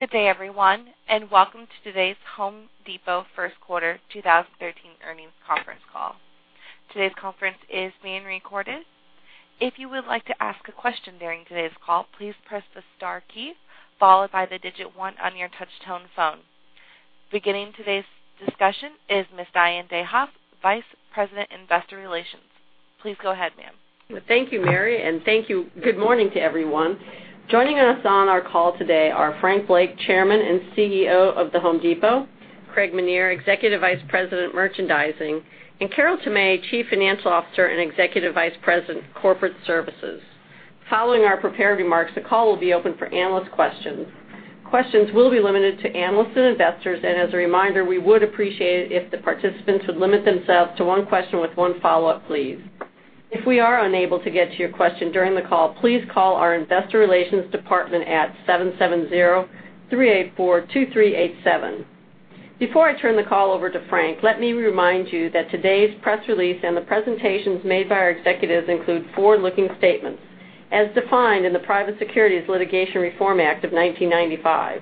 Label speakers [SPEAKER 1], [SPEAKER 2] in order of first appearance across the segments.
[SPEAKER 1] Good day, everyone, and welcome to today's The Home Depot first quarter 2013 earnings conference call. Today's conference is being recorded. If you would like to ask a question during today's call, please press the star key followed by the digit 1 on your touch-tone phone. Beginning today's discussion is Ms. Diane Dayhoff, Vice President, Investor Relations. Please go ahead, ma'am.
[SPEAKER 2] Thank you, Mary, and thank you. Good morning to everyone. Joining us on our call today are Frank Blake, Chairman and CEO of The Home Depot, Craig Menear, Executive Vice President, Merchandising, and Carol Tomé, Chief Financial Officer and Executive Vice President, Corporate Services. Following our prepared remarks, the call will be open for analyst questions. Questions will be limited to analysts and investors, and as a reminder, we would appreciate it if the participants would limit themselves to one question with one follow-up, please. If we are unable to get to your question during the call, please call our Investor Relations Department at 770-384-2387. Before I turn the call over to Frank, let me remind you that today's press release and the presentations made by our executives include forward-looking statements as defined in the Private Securities Litigation Reform Act of 1995.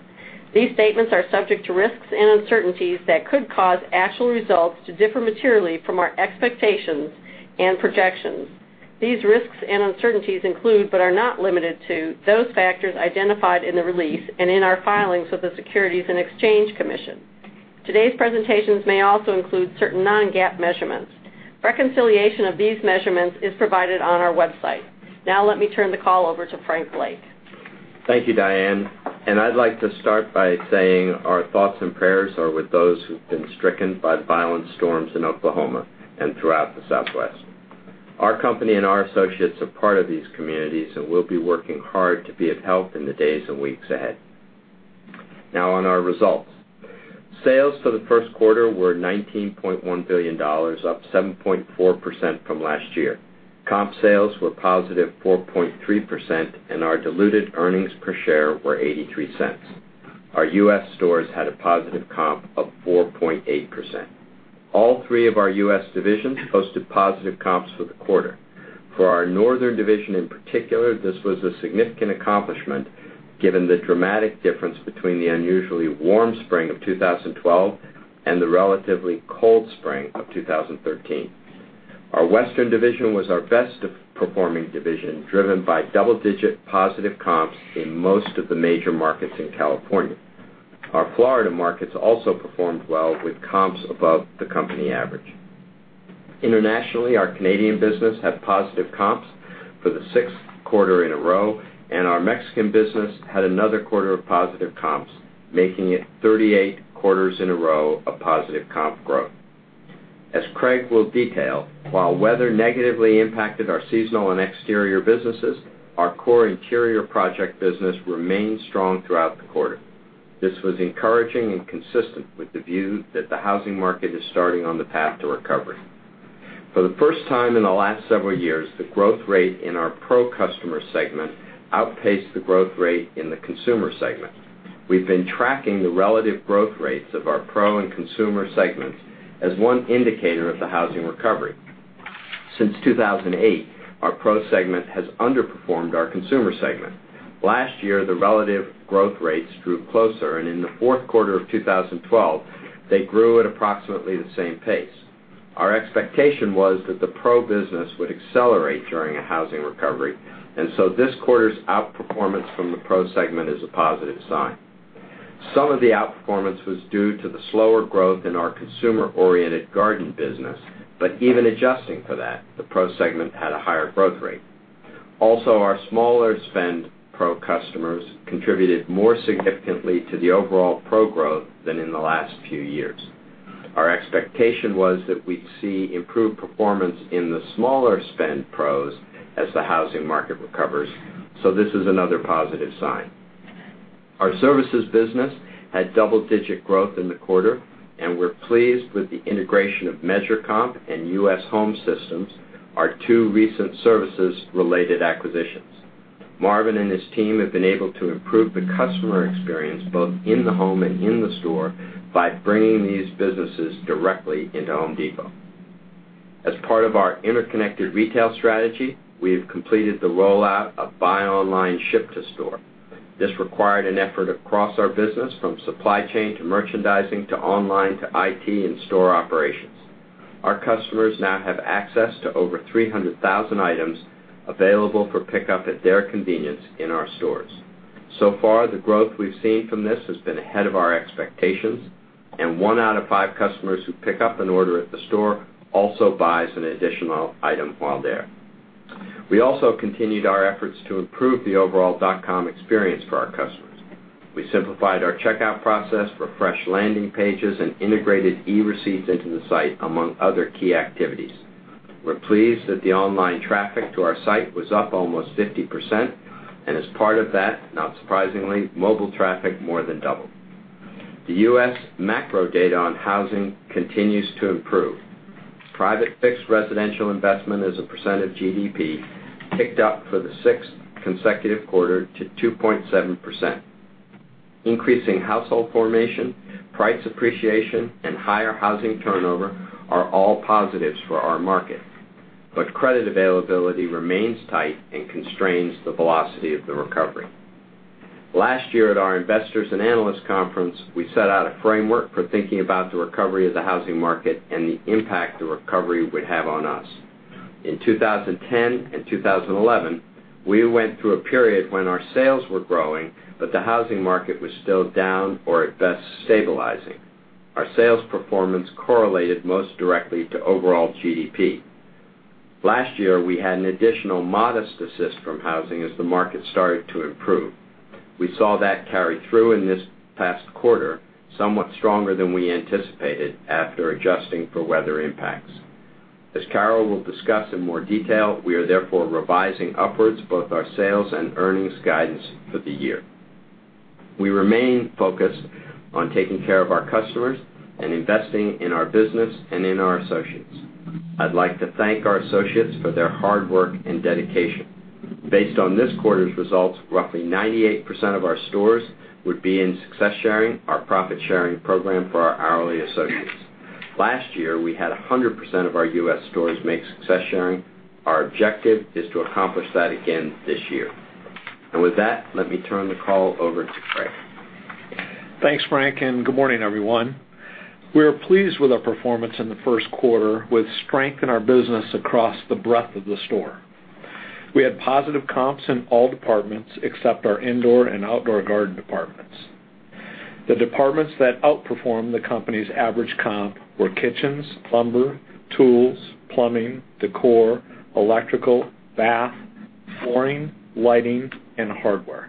[SPEAKER 2] These statements are subject to risks and uncertainties that could cause actual results to differ materially from our expectations and projections. These risks and uncertainties include, but are not limited to, those factors identified in the release and in our filings with the Securities and Exchange Commission. Today's presentations may also include certain non-GAAP measurements. Reconciliation of these measurements is provided on our website. Let me turn the call over to Frank Blake.
[SPEAKER 3] Thank you, Diane. I'd like to start by saying our thoughts and prayers are with those who've been stricken by the violent storms in Oklahoma and throughout the Southwest. Our company and our associates are part of these communities, and we'll be working hard to be of help in the days and weeks ahead. On our results. Sales for the first quarter were $19.1 billion, up 7.4% from last year. Comp sales were positive 4.3%, and our diluted earnings per share were $0.83. Our U.S. stores had a positive comp of 4.8%. All three of our U.S. divisions posted positive comps for the quarter. For our northern division in particular, this was a significant accomplishment given the dramatic difference between the unusually warm spring of 2012 and the relatively cold spring of 2013. Our western division was our best-performing division, driven by double-digit positive comps in most of the major markets in California. Our Florida markets also performed well with comps above the company average. Internationally, our Canadian business had positive comps for the sixth quarter in a row, and our Mexican business had another quarter of positive comps, making it 38 quarters in a row of positive comp growth. As Craig will detail, while weather negatively impacted our seasonal and exterior businesses, our core interior project business remained strong throughout the quarter. This was encouraging and consistent with the view that the housing market is starting on the path to recovery. For the first time in the last several years, the growth rate in our pro customer segment outpaced the growth rate in the consumer segment. We've been tracking the relative growth rates of our pro and consumer segments as one indicator of the housing recovery. Since 2008, our pro segment has underperformed our consumer segment. Last year, the relative growth rates drew closer, and in the fourth quarter of 2012, they grew at approximately the same pace. Our expectation was that the pro business would accelerate during a housing recovery. This quarter's outperformance from the pro segment is a positive sign. Some of the outperformance was due to the slower growth in our consumer-oriented garden business. Even adjusting for that, the pro segment had a higher growth rate. Our smaller spend pro customers contributed more significantly to the overall pro growth than in the last few years. Our expectation was that we'd see improved performance in the smaller spend pros as the housing market recovers. This is another positive sign. Our services business had double-digit growth in the quarter, and we're pleased with the integration of MeasureComp and U.S. Home Systems, our two recent services-related acquisitions. Marvin and his team have been able to improve the customer experience both in the home and in the store by bringing these businesses directly into Home Depot. As part of our interconnected retail strategy, we have completed the rollout of Buy Online, Ship to Store. This required an effort across our business from supply chain to merchandising to online to IT and store operations. Our customers now have access to over 300,000 items available for pickup at their convenience in our stores. The growth we've seen from this has been ahead of our expectations. One out of five customers who pick up an order at the store also buys an additional item while there. We also continued our efforts to improve the overall dot com experience for our customers. We simplified our checkout process, refreshed landing pages, and integrated e-receipts into the site, among other key activities. We're pleased that the online traffic to our site was up almost 50%. As part of that, not surprisingly, mobile traffic more than doubled. The U.S. macro data on housing continues to improve. Private fixed residential investment as a percent of GDP ticked up for the sixth consecutive quarter to 2.7%. Increasing household formation, price appreciation, and higher housing turnover are all positives for our market. Credit availability remains tight and constrains the velocity of the recovery. Last year at our Investors and Analysts Conference, we set out a framework for thinking about the recovery of the housing market and the impact the recovery would have on us. In 2010 and 2011, we went through a period when our sales were growing, but the housing market was still down or, at best, stabilizing. Our sales performance correlated most directly to overall GDP. Last year, we had an additional modest assist from housing as the market started to improve. We saw that carry through in this past quarter, somewhat stronger than we anticipated after adjusting for weather impacts. As Carol will discuss in more detail, we are therefore revising upwards both our sales and earnings guidance for the year. We remain focused on taking care of our customers and investing in our business and in our associates. I'd like to thank our associates for their hard work and dedication. Based on this quarter's results, roughly 98% of our stores would be in Success Sharing, our profit-sharing program for our hourly associates. Last year, we had 100% of our U.S. stores make Success Sharing. Our objective is to accomplish that again this year. With that, let me turn the call over to Craig.
[SPEAKER 4] Thanks, Frank, good morning, everyone. We are pleased with our performance in the first quarter with strength in our business across the breadth of the store. We had positive comps in all departments except our indoor and outdoor garden departments. The departments that outperformed the company's average comp were kitchens, lumber, tools, plumbing, decor, electrical, bath, flooring, lighting, and hardware.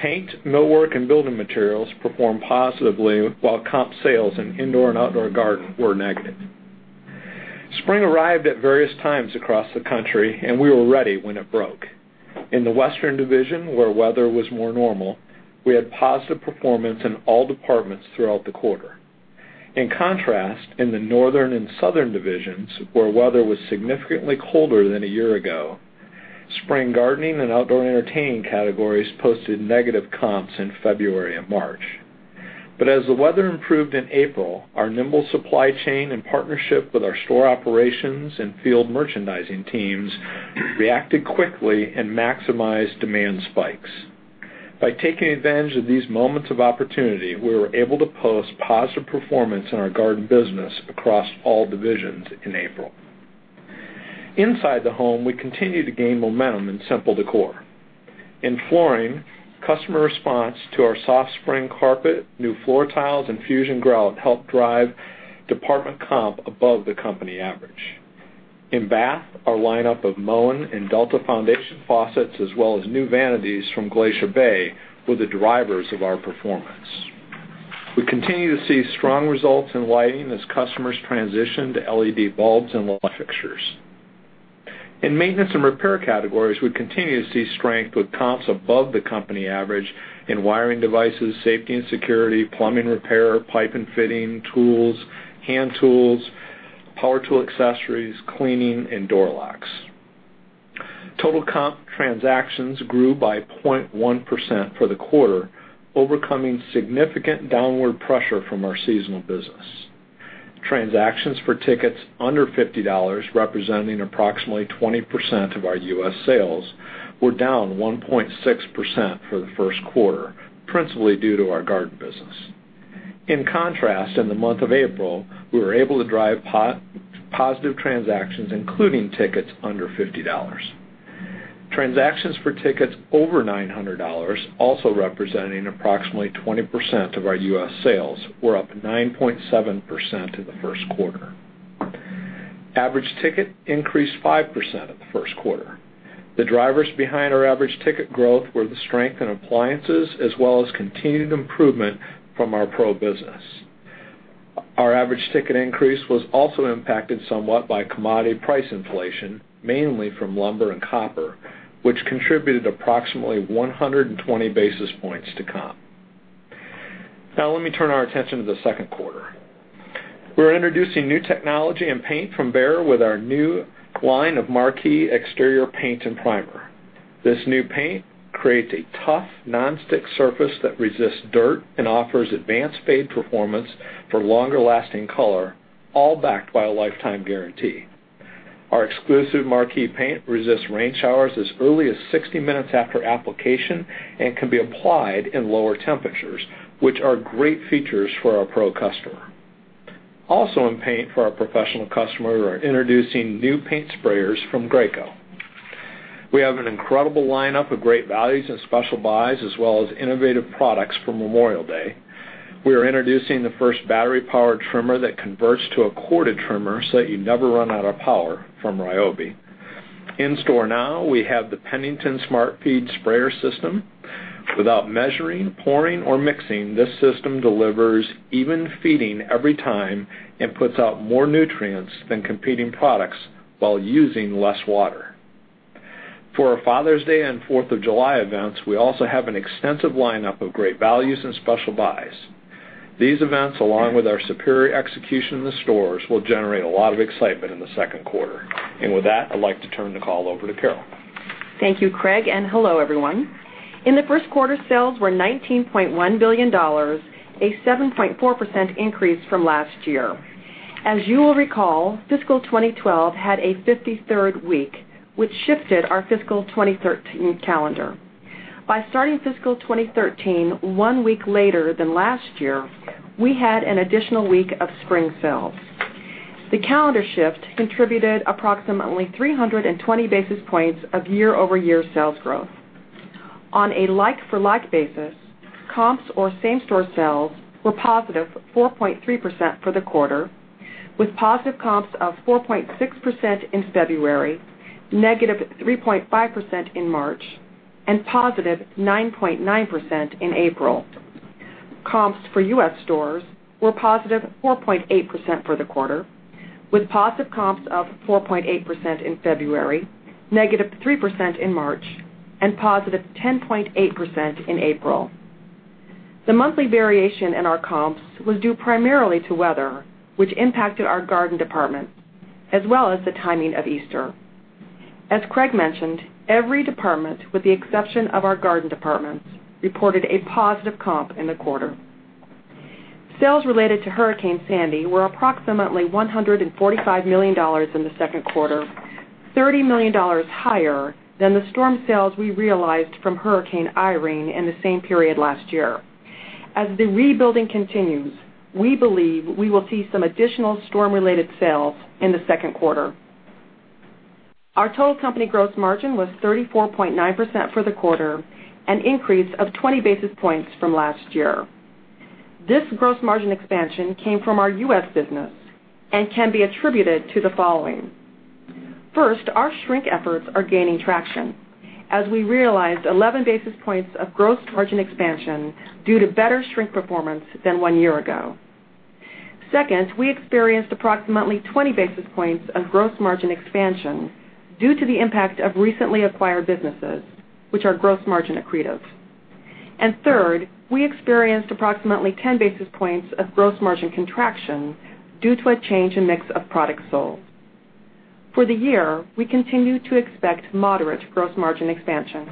[SPEAKER 4] Paint, millwork, and building materials performed positively, while comp sales in indoor and outdoor garden were negative. Spring arrived at various times across the country, and we were ready when it broke. In the Western division, where weather was more normal, we had positive performance in all departments throughout the quarter. In contrast, in the Northern and Southern divisions, where weather was significantly colder than a year ago, spring gardening and outdoor entertaining categories posted negative comps in February and March. As the weather improved in April, our nimble supply chain and partnership with our store operations and field merchandising teams reacted quickly and maximized demand spikes. By taking advantage of these moments of opportunity, we were able to post positive performance in our garden business across all divisions in April. Inside the home, we continue to gain momentum in simple decor. In flooring, customer response to our soft spring carpet, new floor tiles, and Fusion Pro helped drive department comp above the company average. In bath, our lineup of Moen and Delta foundation faucets, as well as new vanities from Glacier Bay, were the drivers of our performance. We continue to see strong results in lighting as customers transition to LED bulbs and light fixtures. In maintenance and repair categories, we continue to see strength with comps above the company average in wiring devices, safety and security, plumbing repair, pipe and fitting, tools, hand tools, power tool accessories, cleaning, and door locks. Total comp transactions grew by 0.1% for the quarter, overcoming significant downward pressure from our seasonal business. Transactions for tickets under $50, representing approximately 20% of our U.S. sales, were down 1.6% for the first quarter, principally due to our garden business. In contrast, in the month of April, we were able to drive positive transactions, including tickets under $50. Transactions for tickets over $900, also representing approximately 20% of our U.S. sales, were up 9.7% in the first quarter. Average ticket increased 5% in the first quarter. The drivers behind our average ticket growth were the strength in appliances, as well as continued improvement from our pro business. Our average ticket increase was also impacted somewhat by commodity price inflation, mainly from lumber and copper, which contributed approximately 120 basis points to comp. Let me turn our attention to the second quarter. We're introducing new technology and paint from Behr with our new line of Marquee exterior paint and primer. This new paint creates a tough, non-stick surface that resists dirt and offers advanced fade performance for longer-lasting color, all backed by a lifetime guarantee. Our exclusive Marquee paint resists rain showers as early as 60 minutes after application and can be applied in lower temperatures, which are great features for our pro customer. Also in paint for our professional customer, we are introducing new paint sprayers from Graco. We have an incredible lineup of great values and special buys, as well as innovative products for Memorial Day. We are introducing the first battery-powered trimmer that converts to a corded trimmer so that you never run out of power from Ryobi. In store now, we have the Pennington Smart Feed Sprayer System. Without measuring, pouring, or mixing, this system delivers even feeding every time and puts out more nutrients than competing products while using less water. For our Father's Day and Fourth of July events, we also have an extensive lineup of great values and special buys. These events, along with our superior execution in the stores, will generate a lot of excitement in the second quarter. With that, I'd like to turn the call over to Carol
[SPEAKER 5] Thank you, Craig, hello, everyone. In the first quarter, sales were $19.1 billion, a 7.4% increase from last year. As you will recall, fiscal 2012 had a 53rd week, which shifted our fiscal 2013 calendar. By starting fiscal 2013 one week later than last year, we had an additional week of spring sales. The calendar shift contributed approximately 320 basis points of year-over-year sales growth. On a like-for-like basis, comps or same-store sales were positive 4.3% for the quarter, with positive comps of 4.6% in February, negative 3.5% in March, and positive 9.9% in April. Comps for U.S. stores were positive 4.8% for the quarter, with positive comps of 4.8% in February, negative 3% in March, and positive 10.8% in April. The monthly variation in our comps was due primarily to weather, which impacted our garden department, as well as the timing of Easter. As Craig mentioned, every department, with the exception of our garden departments, reported a positive comp in the quarter. Sales related to Hurricane Sandy were approximately $145 million in the second quarter, $30 million higher than the storm sales we realized from Hurricane Irene in the same period last year. As the rebuilding continues, we believe we will see some additional storm-related sales in the second quarter. Our total company gross margin was 34.9% for the quarter, an increase of 20 basis points from last year. This gross margin expansion came from our U.S. business and can be attributed to the following. First, our shrink efforts are gaining traction as we realized 11 basis points of gross margin expansion due to better shrink performance than one year ago. Second, we experienced approximately 20 basis points of gross margin expansion due to the impact of recently acquired businesses, which are gross margin accretive. Third, we experienced approximately 10 basis points of gross margin contraction due to a change in mix of products sold. For the year, we continue to expect moderate gross margin expansion.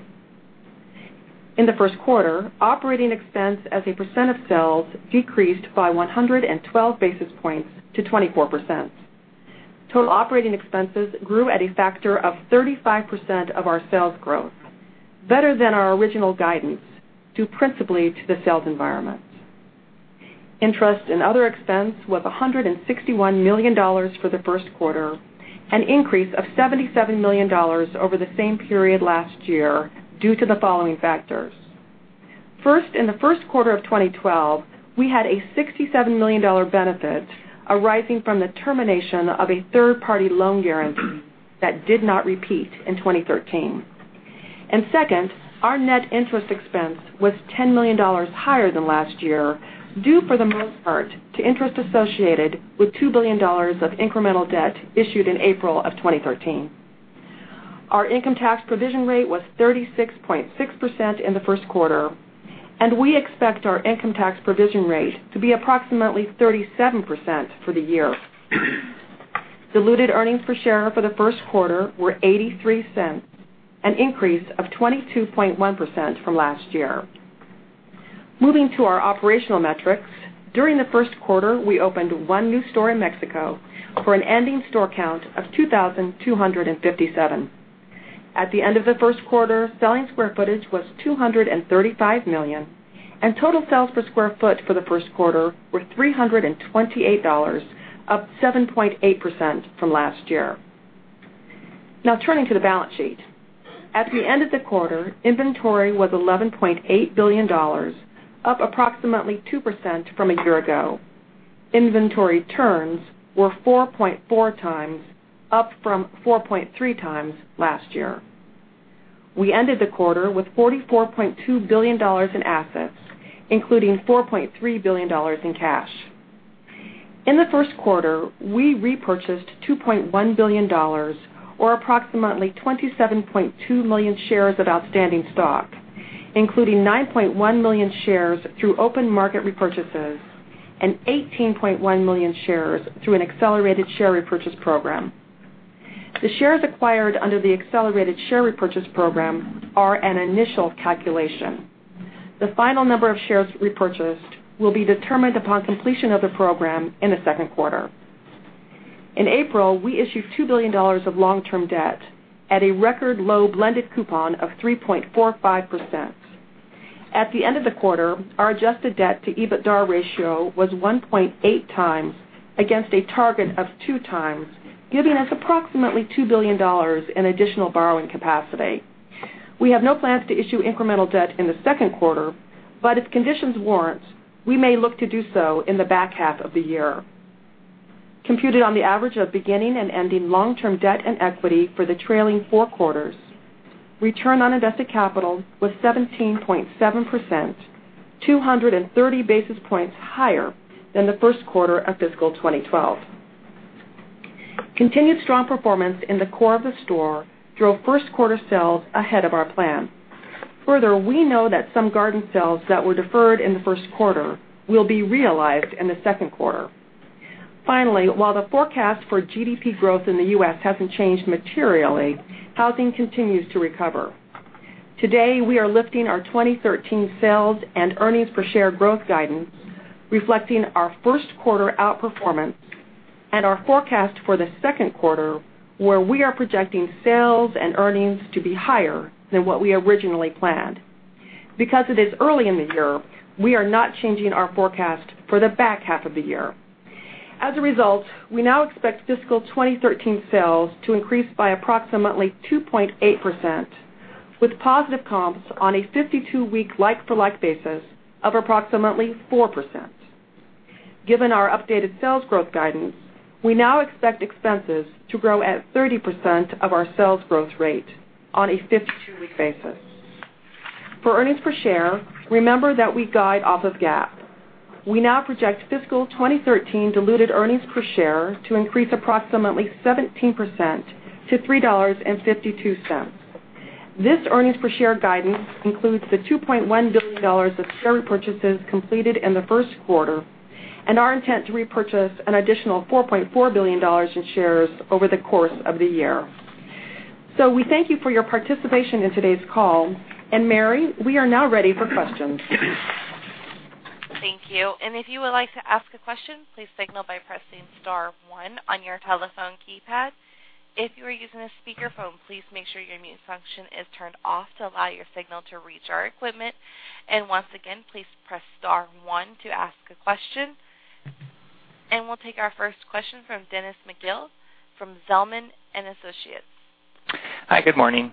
[SPEAKER 5] In the first quarter, operating expense as a percent of sales decreased by 112 basis points to 24%. Total operating expenses grew at a factor of 35% of our sales growth, better than our original guidance, due principally to the sales environment. Interest and other expense was $161 million for the first quarter, an increase of $77 million over the same period last year due to the following factors. First, in the first quarter of 2012, we had a $67 million benefit arising from the termination of a third-party loan guarantee that did not repeat in 2013. Second, our net interest expense was $10 million higher than last year, due for the most part to interest associated with $2 billion of incremental debt issued in April of 2013. Our income tax provision rate was 36.6% in the first quarter, and we expect our income tax provision rate to be approximately 37% for the year. Diluted earnings per share for the first quarter were $0.83, an increase of 22.1% from last year. Moving to our operational metrics. During the first quarter, we opened one new store in Mexico for an ending store count of 2,257. At the end of the first quarter, selling square footage was 235 million, and total sales per square foot for the first quarter were $328, up 7.8% from last year. Now turning to the balance sheet. At the end of the quarter, inventory was $11.8 billion, up approximately 2% from a year ago. Inventory turns were 4.4 times, up from 4.3 times last year. We ended the quarter with $44.2 billion in assets, including $4.3 billion in cash. In the first quarter, we repurchased $2.1 billion, or approximately 27.2 million shares of outstanding stock, including 9.1 million shares through open market repurchases and 18.1 million shares through an accelerated share repurchase program. The shares acquired under the accelerated share repurchase program are an initial calculation. The final number of shares repurchased will be determined upon completion of the program in the second quarter. In April, we issued $2 billion of long-term debt at a record low blended coupon of 3.45%. At the end of the quarter, our adjusted debt to EBITDAR ratio was 1.8 times against a target of two times, giving us approximately $2 billion in additional borrowing capacity. We have no plans to issue incremental debt in the second quarter, but if conditions warrant, we may look to do so in the back half of the year. Computed on the average of beginning and ending long-term debt and equity for the trailing four quarters, return on invested capital was 17.7%, 230 basis points higher than the first quarter of fiscal 2012. Continued strong performance in the core of the store drove first quarter sales ahead of our plan. We know that some garden sales that were deferred in the first quarter will be realized in the second quarter. While the forecast for GDP growth in the U.S. hasn't changed materially, housing continues to recover. Today, we are lifting our 2013 sales and earnings per share growth guidance, reflecting our first quarter outperformance and our forecast for the second quarter, where we are projecting sales and earnings to be higher than what we originally planned. It is early in the year, we are not changing our forecast for the back half of the year. We now expect fiscal 2013 sales to increase by approximately 2.8%, with positive comps on a 52-week like-for-like basis of approximately 4%. Our updated sales growth guidance, we now expect expenses to grow at 30% of our sales growth rate on a 52-week basis. For earnings per share, remember that we guide off of GAAP. We now project fiscal 2013 diluted earnings per share to increase approximately 17% to $3.52. This earnings per share guidance includes the $2.1 billion of share purchases completed in the first quarter and our intent to repurchase an additional $4.4 billion in shares over the course of the year. We thank you for your participation in today's call. Mary, we are now ready for questions.
[SPEAKER 1] Thank you. If you would like to ask a question, please signal by pressing *1 on your telephone keypad. If you are using a speakerphone, please make sure your mute function is turned off to allow your signal to reach our equipment. Once again, please press *1 to ask a question. We'll take our first question from Dennis McGill from Zelman & Associates.
[SPEAKER 6] Hi, good morning.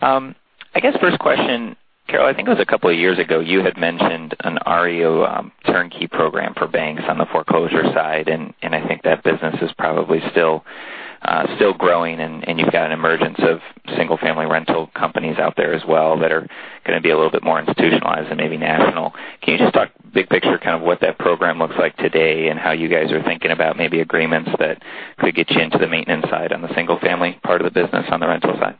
[SPEAKER 6] I guess first question, Carol, I think it was a couple of years ago, you had mentioned an REO turnkey program for banks on the foreclosure side. I think that business is probably still growing. You've got an emergence of single-family rental companies out there as well that are going to be a little bit more institutionalized and maybe national. Can you just talk big picture, kind of what that program looks like today and how you guys are thinking about maybe agreements that could get you into the maintenance side on the single-family part of the business on the rental side?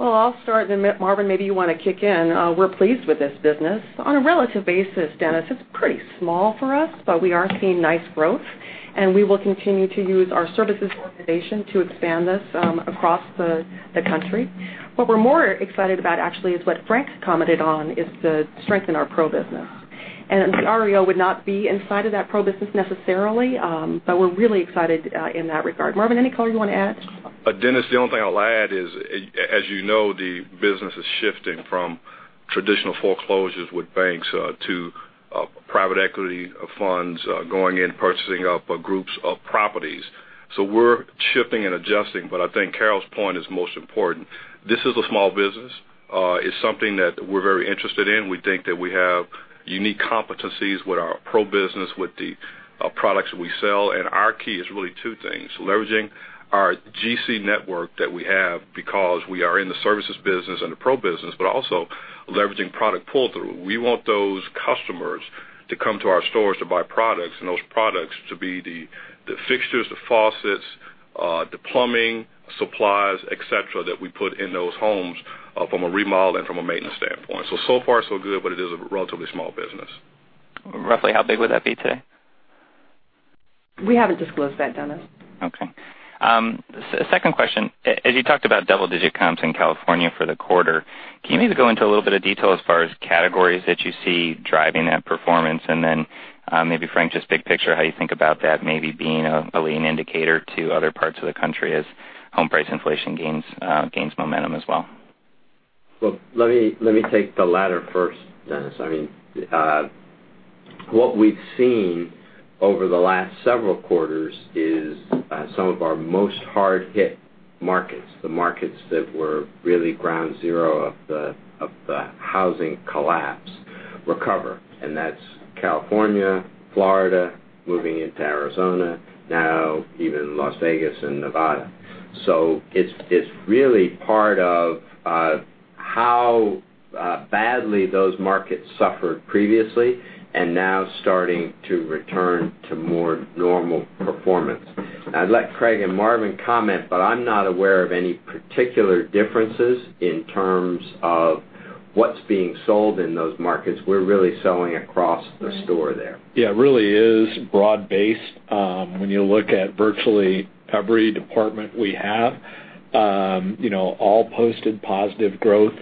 [SPEAKER 5] I'll start. Marvin, maybe you want to kick in. We're pleased with this business. On a relative basis, Dennis, it's pretty small for us. We are seeing nice growth. We will continue to use our services organization to expand this across the country. What we're more excited about actually is what Frank's commented on, is the strength in our pro business. The REO would not be inside of that pro business necessarily. We're really excited in that regard. Marvin, any color you want to add?
[SPEAKER 7] Dennis, the only thing I'll add is, as you know, the business is shifting from traditional foreclosures with banks to private equity funds going in, purchasing up groups of properties. We're shifting and adjusting. I think Carol's point is most important. This is a small business. It's something that we're very interested in. We think that we have unique competencies with our pro business, with the products we sell. Our key is really two things, leveraging our GC network that we have because we are in the services business and the pro business, also leveraging product pull-through. We want those customers to come to our stores to buy products. Those products to be the fixtures, the faucets, the plumbing, supplies, et cetera, that we put in those homes from a remodel and from a maintenance standpoint. So far so good. It is a relatively small business.
[SPEAKER 6] Roughly how big would that be today?
[SPEAKER 5] We haven't disclosed that, Dennis.
[SPEAKER 6] Okay. Second question, as you talked about double-digit comps in California for the quarter, can you maybe go into a little bit of detail as far as categories that you see driving that performance? Then maybe Frank, just big picture, how you think about that maybe being a leading indicator to other parts of the country as home price inflation gains momentum as well.
[SPEAKER 3] Well, let me take the latter first, Dennis. What we've seen over the last several quarters is some of our most hard-hit markets, the markets that were really ground zero of the housing collapse, recover, and that's California, Florida, moving into Arizona, now even Las Vegas and Nevada. It's really part of how badly those markets suffered previously and now starting to return to more normal performance. I'd let Craig and Marvin comment, but I'm not aware of any particular differences in terms of what's being sold in those markets. We're really selling across the store there.
[SPEAKER 4] Yeah, it really is broad-based. When you look at virtually every department we have, all posted positive growth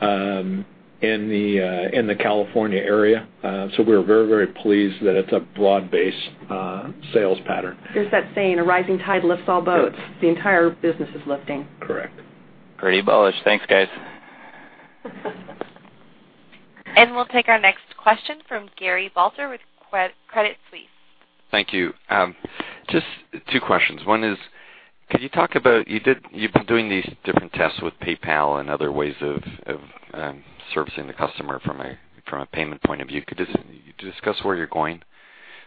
[SPEAKER 4] in the California area. We're very pleased that it's a broad-based sales pattern.
[SPEAKER 5] There's that saying, "A rising tide lifts all boats." The entire business is lifting.
[SPEAKER 4] Correct.
[SPEAKER 6] Pretty bullish. Thanks, guys.
[SPEAKER 1] We'll take our next question from Gary Balter with Credit Suisse.
[SPEAKER 8] Thank you. Just two questions. One is, could you talk about, you've been doing these different tests with PayPal and other ways of servicing the customer from a payment point of view. Could you discuss where you're going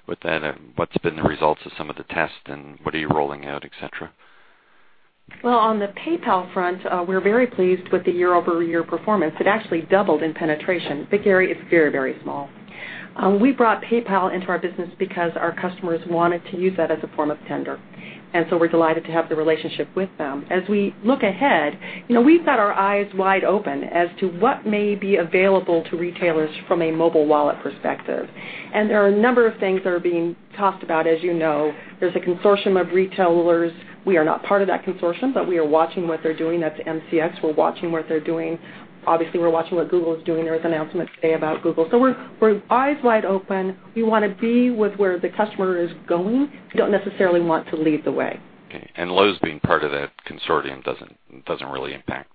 [SPEAKER 8] with that? What's been the results of some of the tests, and what are you rolling out, et cetera?
[SPEAKER 5] Well, on the PayPal front, we're very pleased with the year-over-year performance. It actually doubled in penetration. Gary, it's very small. We brought PayPal into our business because our customers wanted to use that as a form of tender. We're delighted to have the relationship with them. As we look ahead, we've got our eyes wide open as to what may be available to retailers from a mobile wallet perspective. There are a number of things that are being talked about. As you know, there's a consortium of retailers. We are not part of that consortium, but we are watching what they're doing. That's MCX. We're watching what they're doing. Obviously, we're watching what Google is doing. There was an announcement today about Google. We're eyes wide open. We want to be with where the customer is going. We don't necessarily want to lead the way.
[SPEAKER 8] Okay. Lowe's being part of that consortium doesn't really impact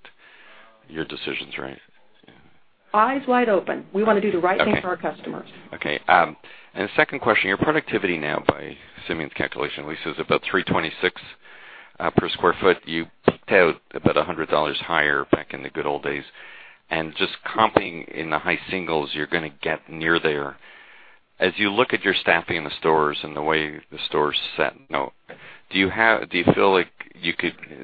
[SPEAKER 8] your decisions, right?
[SPEAKER 5] Eyes wide open. We want to do the right thing for our customers.
[SPEAKER 8] Okay. The second question, your productivity now by Simeon's calculation, Lisa, is about 326 per square foot. You peaked out about $100 higher back in the good old days. Just comping in the high singles, you're going to get near there. As you look at your staffing in the stores and the way the store is set now, do you feel like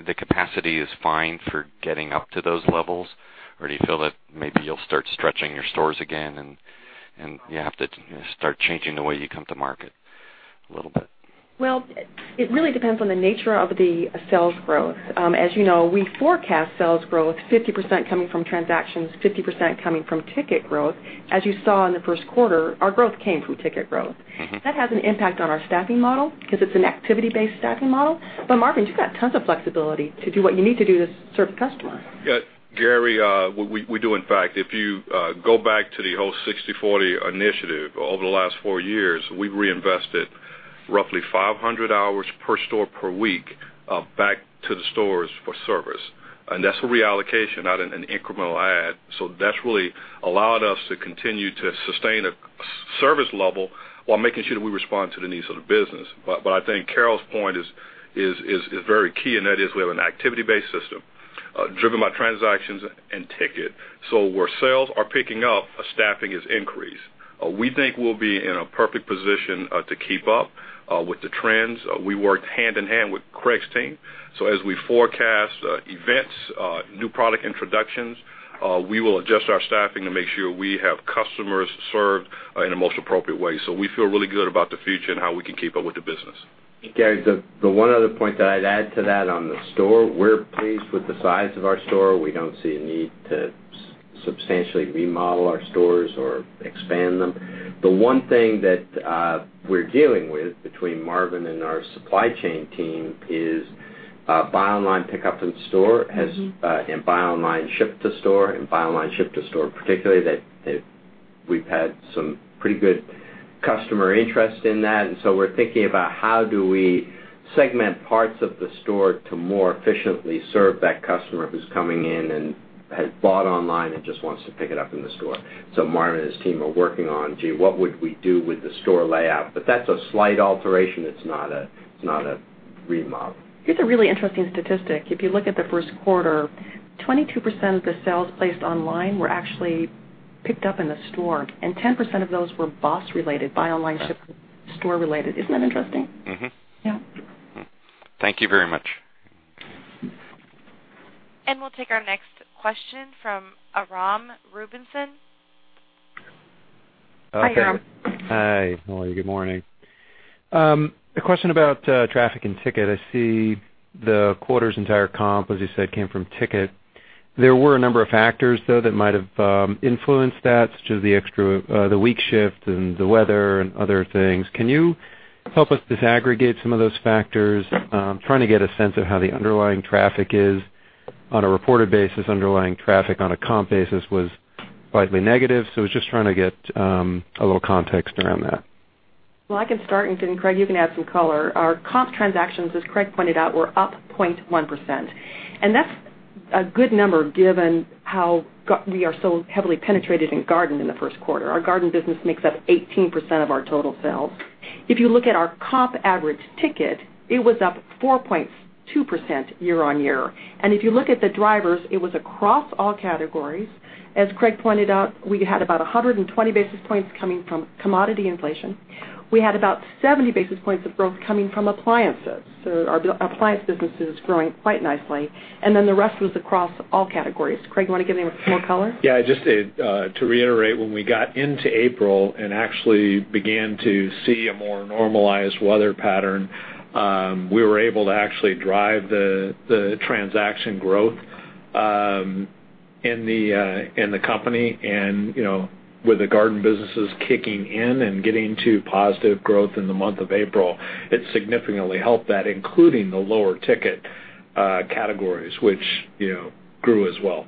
[SPEAKER 8] the capacity is fine for getting up to those levels? Do you feel that maybe you'll start stretching your stores again, and you have to start changing the way you come to market a little bit?
[SPEAKER 5] Well, it really depends on the nature of the sales growth. As you know, we forecast sales growth, 50% coming from transactions, 50% coming from ticket growth. As you saw in the first quarter, our growth came from ticket growth. That has an impact on our staffing model because it's an activity-based staffing model. Marvin, you've got tons of flexibility to do what you need to do to serve the customer.
[SPEAKER 7] Gary, we do, in fact. If you go back to the whole 60/40 Initiative, over the last four years, we've reinvested roughly 500 hours per store per week back to the stores for service. That's a reallocation, not an incremental add. That's really allowed us to continue to sustain a service level while making sure that we respond to the needs of the business. I think Carol's point is very key, and that is we have an activity-based system driven by transactions and ticket. Where sales are picking up, our staffing is increased. We think we'll be in a perfect position to keep up with the trends. We worked hand-in-hand with Craig's team. As we forecast events, new product introductions, we will adjust our staffing to make sure we have customers served in the most appropriate way. We feel really good about the future and how we can keep up with the business.
[SPEAKER 3] Gary, the one other point that I'd add to that on the store, we're pleased with the size of our store. We don't see a need to substantially remodel our stores or expand them. The one thing that we're dealing with between Marvin and our supply chain team is Buy Online, Pick Up in Store and Buy Online, Ship to Store. Buy Online, Ship to Store, particularly that we've had some pretty good customer interest in that. We're thinking about how do we segment parts of the store to more efficiently serve that customer who's coming in and has bought online and just wants to pick it up in the store. Marvin and his team are working on, "Gee, what would we do with the store layout?" That's a slight alteration. It's not a remodel.
[SPEAKER 5] Here's a really interesting statistic. If you look at the first quarter, 22% of the sales placed online were actually picked up in the store, and 10% of those were BOSS related, Buy Online, Ship to Store related. Isn't that interesting? Yeah.
[SPEAKER 8] Thank you very much.
[SPEAKER 1] We'll take our next question from Aram Rubinson.
[SPEAKER 5] Hi, Aram.
[SPEAKER 9] Hi. Good morning. A question about traffic and ticket. I see the quarter's entire comp, as you said, came from ticket. There were a number of factors, though, that might have influenced that, such as the week shift and the weather and other things. Can you help us disaggregate some of those factors? I'm trying to get a sense of how the underlying traffic is on a reported basis. Underlying traffic on a comp basis was slightly negative, so I was just trying to get a little context around that.
[SPEAKER 5] I can start, and then Craig, you can add some color. Our comp transactions, as Craig pointed out, were up 0.1%. That's a good number given how we are so heavily penetrated in garden in the first quarter. Our garden business makes up 18% of our total sales. If you look at our comp average ticket, it was up 4.2% year-on-year. If you look at the drivers, it was across all categories. As Craig pointed out, we had about 120 basis points coming from commodity inflation. We had about 70 basis points of growth coming from appliances. Our appliance business is growing quite nicely. The rest was across all categories. Craig, you want to give any more color?
[SPEAKER 4] Yeah, just to reiterate, when we got into April and actually began to see a more normalized weather pattern, we were able to actually drive the transaction growth in the company. With the garden businesses kicking in and getting to positive growth in the month of April, it significantly helped that, including the lower ticket categories, which grew as well.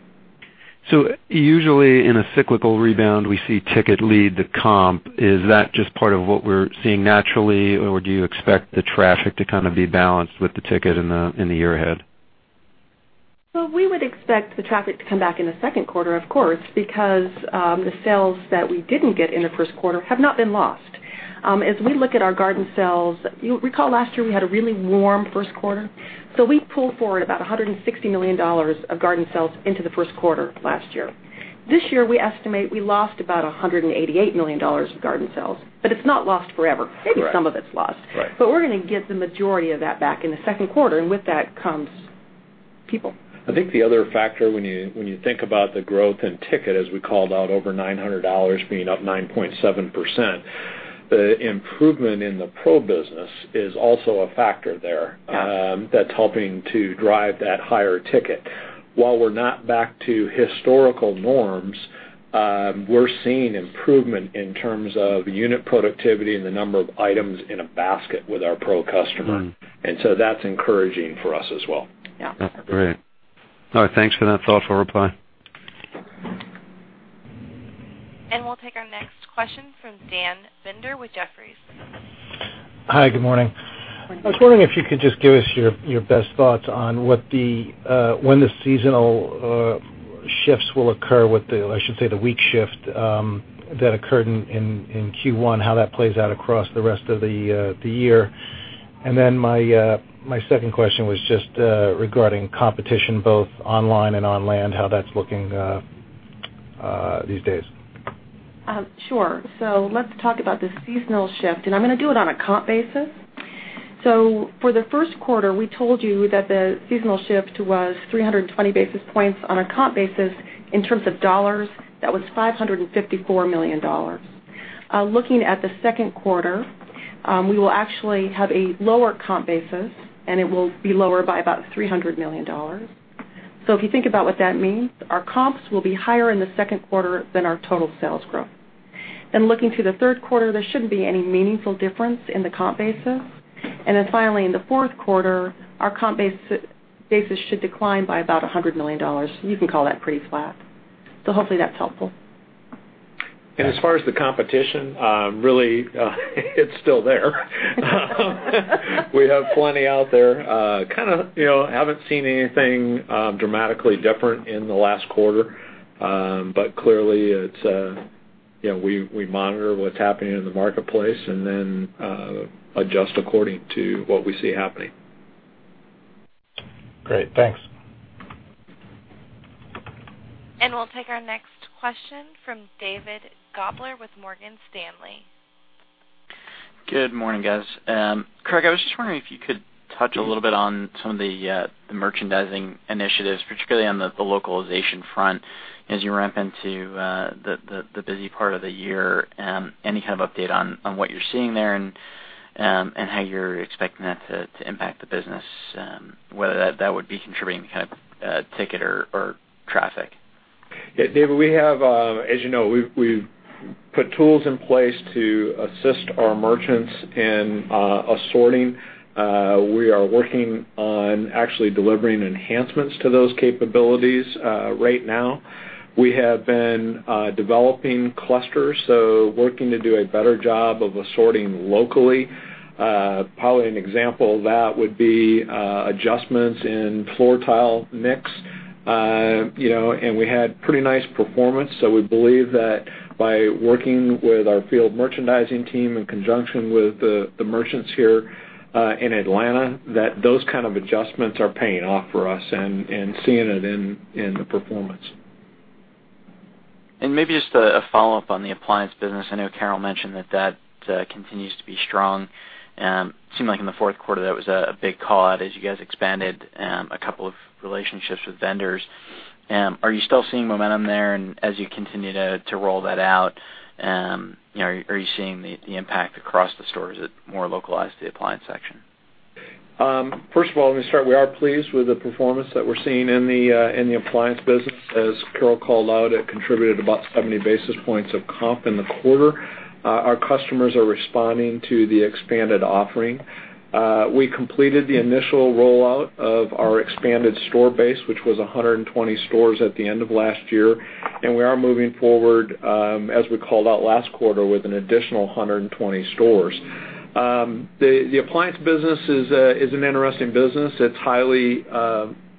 [SPEAKER 9] Usually in a cyclical rebound, we see ticket lead the comp. Is that just part of what we're seeing naturally, or do you expect the traffic to be balanced with the ticket in the year ahead?
[SPEAKER 5] We would expect the traffic to come back in the second quarter, of course, because the sales that we didn't get in the first quarter have not been lost. As we look at our garden sales, you recall last year we had a really warm first quarter. We pulled forward about $160 million of garden sales into the first quarter last year. This year, we estimate we lost about $188 million of garden sales, it's not lost forever. Maybe some of it's lost.
[SPEAKER 9] Right.
[SPEAKER 5] We're going to get the majority of that back in the second quarter. With that comes people.
[SPEAKER 4] I think the other factor when you think about the growth in ticket, as we called out over $900 being up 9.7%, the improvement in the pro business is also a factor there.
[SPEAKER 5] Yeah
[SPEAKER 4] That's helping to drive that higher ticket. While we're not back to historical norms, we're seeing improvement in terms of unit productivity and the number of items in a basket with our pro customer. That's encouraging for us as well.
[SPEAKER 5] Yeah.
[SPEAKER 9] Great. All right. Thanks for that thoughtful reply.
[SPEAKER 1] We'll take our next question from Dan Binder with Jefferies.
[SPEAKER 10] Hi. Good morning.
[SPEAKER 5] Good morning.
[SPEAKER 10] I was wondering if you could just give us your best thoughts on when the seasonal shifts will occur with the, I should say, the weak shift that occurred in Q1, how that plays out across the rest of the year. My second question was just regarding competition, both online and on land, how that's looking these days.
[SPEAKER 5] Sure. Let's talk about the seasonal shift, and I'm going to do it on a comp basis. For the first quarter, we told you that the seasonal shift was 320 basis points on a comp basis. In terms of dollars, that was $554 million. Looking at the second quarter, we will actually have a lower comp basis, and it will be lower by about $300 million. If you think about what that means, our comps will be higher in the second quarter than our total sales growth. Looking to the third quarter, there shouldn't be any meaningful difference in the comp basis. Finally, in the fourth quarter, our comp basis should decline by about $100 million. You can call that pretty flat. Hopefully that's helpful.
[SPEAKER 4] As far as the competition, really it's still there. We have plenty out there. Haven't seen anything dramatically different in the last quarter. Clearly, we monitor what's happening in the marketplace and then adjust according to what we see happening.
[SPEAKER 10] Great. Thanks.
[SPEAKER 1] We'll take our next question from David Gober with Morgan Stanley.
[SPEAKER 11] Good morning, guys. Craig, I was just wondering if you could touch a little bit on some of the merchandising initiatives, particularly on the localization front as you ramp into the busy part of the year. Any kind of update on what you're seeing there and how you're expecting that to impact the business, whether that would be contributing to ticket or traffic?
[SPEAKER 4] Yeah, David, as you know, we've put tools in place to assist our merchants in assorting. We are working on actually delivering enhancements to those capabilities. Right now, we have been developing clusters, so working to do a better job of assorting locally. Probably an example of that would be adjustments in floor tile mix. We had pretty nice performance. We believe that by working with our field merchandising team in conjunction with the merchants here in Atlanta, that those kind of adjustments are paying off for us and seeing it in the performance.
[SPEAKER 11] Maybe just a follow-up on the appliance business. I know Carol mentioned that that continues to be strong. Seemed like in the fourth quarter, that was a big call-out as you guys expanded a couple of relationships with vendors. Are you still seeing momentum there as you continue to roll that out? Are you seeing the impact across the store? Is it more localized to the appliance section?
[SPEAKER 4] First of all, let me start. We are pleased with the performance that we are seeing in the appliance business. As Carol called out, it contributed about 70 basis points of comp in the quarter. Our customers are responding to the expanded offering. We completed the initial rollout of our expanded store base, which was 120 stores at the end of last year, and we are moving forward, as we called out last quarter, with an additional 120 stores. The appliance business is an interesting business. It is highly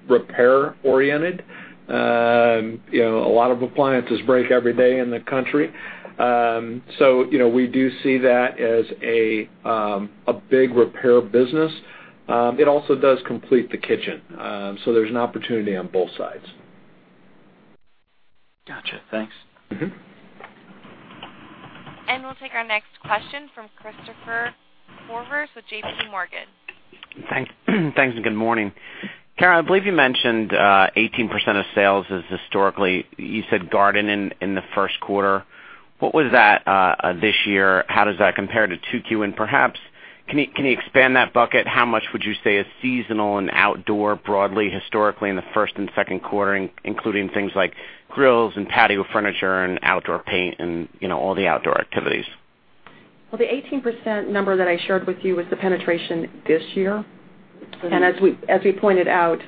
[SPEAKER 4] repair-oriented. A lot of appliances break every day in the country. We do see that as a big repair business. It also does complete the kitchen. There is an opportunity on both sides.
[SPEAKER 11] Got you. Thanks.
[SPEAKER 1] We will take our next question from Christopher Horvers with JPMorgan.
[SPEAKER 12] Thanks, and good morning. Carol, I believe you mentioned 18% of sales is historically, you said garden in the first quarter. What was that this year? How does that compare to 2Q? Perhaps, can you expand that bucket? How much would you say is seasonal and outdoor broadly historically in the first and second quarter, including things like grills and patio furniture and outdoor paint and all the outdoor activities?
[SPEAKER 5] Well, the 18% number that I shared with you was the penetration this year. As we pointed out,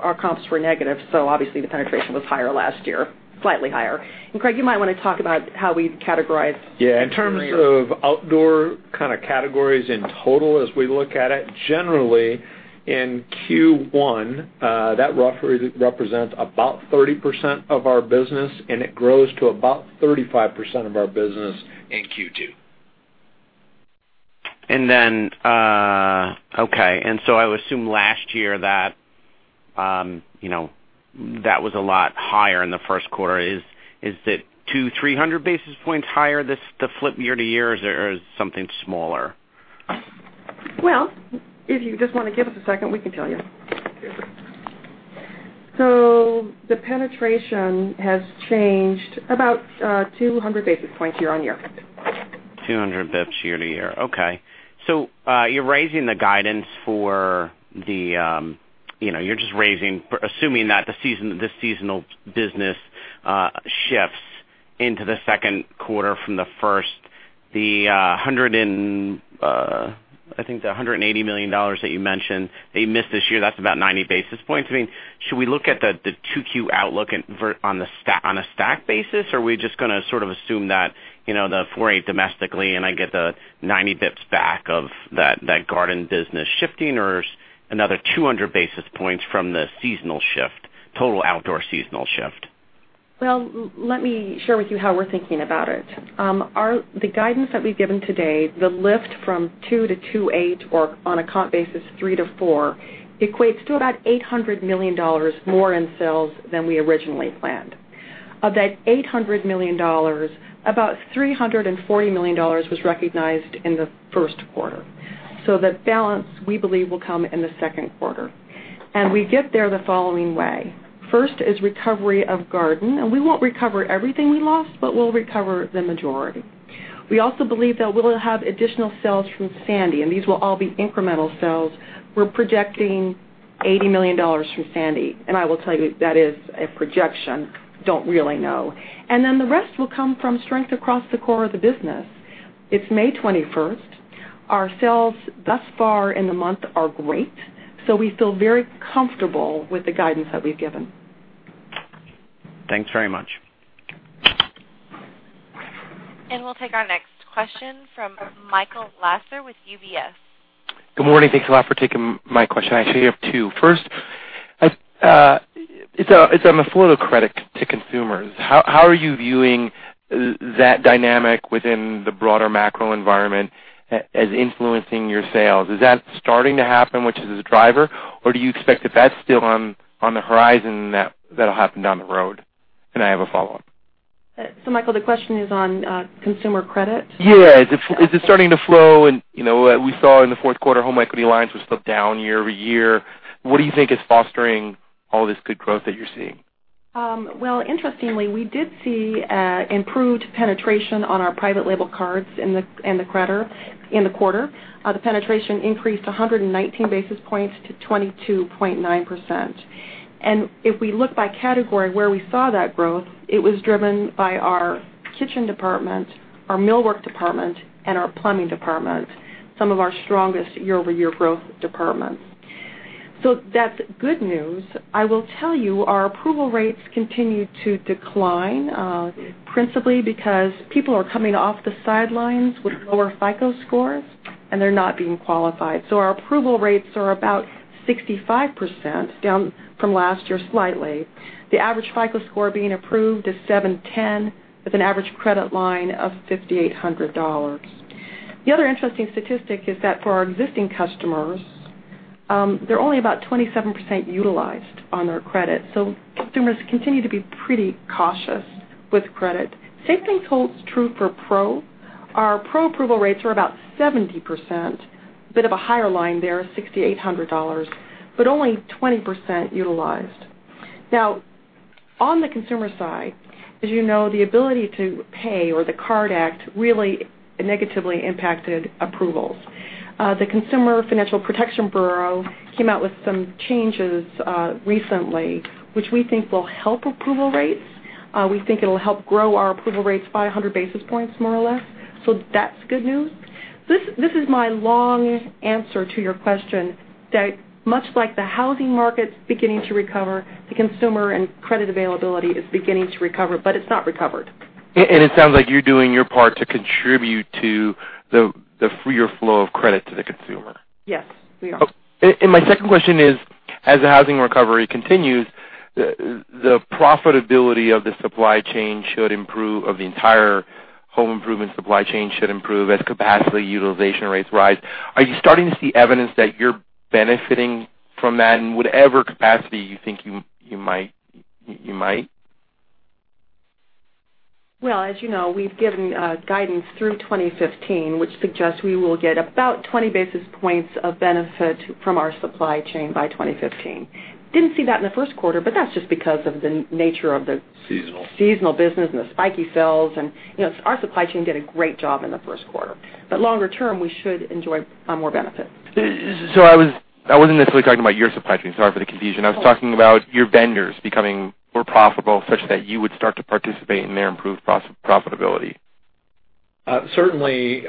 [SPEAKER 5] our comps were negative, so obviously, the penetration was higher last year, slightly higher. Craig, you might want to talk about how we categorize-
[SPEAKER 4] Yeah, in terms of outdoor categories in total as we look at it, generally in Q1, that roughly represents about 30% of our business, and it grows to about 35% of our business in Q2.
[SPEAKER 12] Okay. I would assume last year that was a lot higher in the first quarter. Is it 200, 300 basis points higher the flip year-to-year, or is it something smaller?
[SPEAKER 5] Well, if you just want to give us a second, we can tell you. The penetration has changed about 200 basis points year-on-year.
[SPEAKER 12] 200 basis points year-over-year. Okay. You're just raising, assuming that this seasonal business shifts into the second quarter from the first, the $180 million that you mentioned that you missed this year, that's about 90 basis points. Should we look at the 2Q outlook on a stack basis, or are we just going to sort of assume that the 4.8 domestically, and I get the 90 basis points back of that garden business shifting, or another 200 basis points from the seasonal shift, total outdoor seasonal shift?
[SPEAKER 5] Well, let me share with you how we're thinking about it. The guidance that we've given today, the lift from 2 to 2.8, or on a comp basis, 3 to 4, equates to about $800 million more in sales than we originally planned. Of that $800 million, about $340 million was recognized in the first quarter. That balance, we believe, will come in the second quarter. We get there the following way. First is recovery of garden, and we won't recover everything we lost, but we'll recover the majority. We also believe that we'll have additional sales from Sandy, and these will all be incremental sales. We're projecting $80 million from Sandy. I will tell you, that is a projection. Don't really know. The rest will come from strength across the core of the business. It's May 21st. Our sales thus far in the month are great, so we feel very comfortable with the guidance that we've given.
[SPEAKER 12] Thanks very much.
[SPEAKER 1] We'll take our next question from Michael Lasser with UBS.
[SPEAKER 13] Good morning. Thanks a lot for taking my question. I actually have two. First, it's on the flow of credit to consumers. How are you viewing that dynamic within the broader macro environment as influencing your sales? Is that starting to happen, which is a driver, or do you expect that that's still on the horizon, that'll happen down the road? I have a follow-up.
[SPEAKER 5] Michael, the question is on consumer credit?
[SPEAKER 13] Yeah. Is it starting to flow? We saw in the fourth quarter, home equity lines were still down year-over-year. What do you think is fostering all this good growth that you're seeing?
[SPEAKER 5] Interestingly, we did see improved penetration on our private label cards in the quarter. The penetration increased 119 basis points to 22.9%. If we look by category where we saw that growth, it was driven by our kitchen department, our millwork department, and our plumbing department, some of our strongest year-over-year growth departments. That's good news. I will tell you, our approval rates continue to decline principally because people are coming off the sidelines with lower FICO scores and they're not being qualified. Our approval rates are about 65%, down from last year slightly. The average FICO score being approved is 710, with an average credit line of $5,800. The other interesting statistic is that for our existing customers, they're only about 27% utilized on their credit. Consumers continue to be pretty cautious with credit. Same thing holds true for Pro. Our Pro approval rates are about 70%. A bit of a higher line there, $6,800, but only 20% utilized. On the consumer side, as you know, the ability to pay or the CARD Act really negatively impacted approvals. The Consumer Financial Protection Bureau came out with some changes recently, which we think will help approval rates. We think it'll help grow our approval rates by 100 basis points, more or less. That's good news. This is my long answer to your question, that much like the housing market's beginning to recover, the consumer and credit availability is beginning to recover, it's not recovered.
[SPEAKER 13] It sounds like you're doing your part to contribute to the freer flow of credit to the consumer.
[SPEAKER 5] Yes, we are.
[SPEAKER 13] My second question is, as the housing recovery continues, the profitability of the supply chain should improve, of the entire home improvement supply chain should improve as capacity utilization rates rise. Are you starting to see evidence that you're benefiting from that in whatever capacity you think you might?
[SPEAKER 5] Well, as you know, we've given guidance through 2015, which suggests we will get about 20 basis points of benefit from our supply chain by 2015. Didn't see that in the first quarter, but that's just because of the nature of the-
[SPEAKER 4] Seasonal
[SPEAKER 5] seasonal business and the spiky sales. Our supply chain did a great job in the first quarter. Longer term, we should enjoy more benefits.
[SPEAKER 13] I wasn't necessarily talking about your supply chain. Sorry for the confusion.
[SPEAKER 5] Sure.
[SPEAKER 13] I was talking about your vendors becoming more profitable such that you would start to participate in their improved profitability.
[SPEAKER 4] Certainly,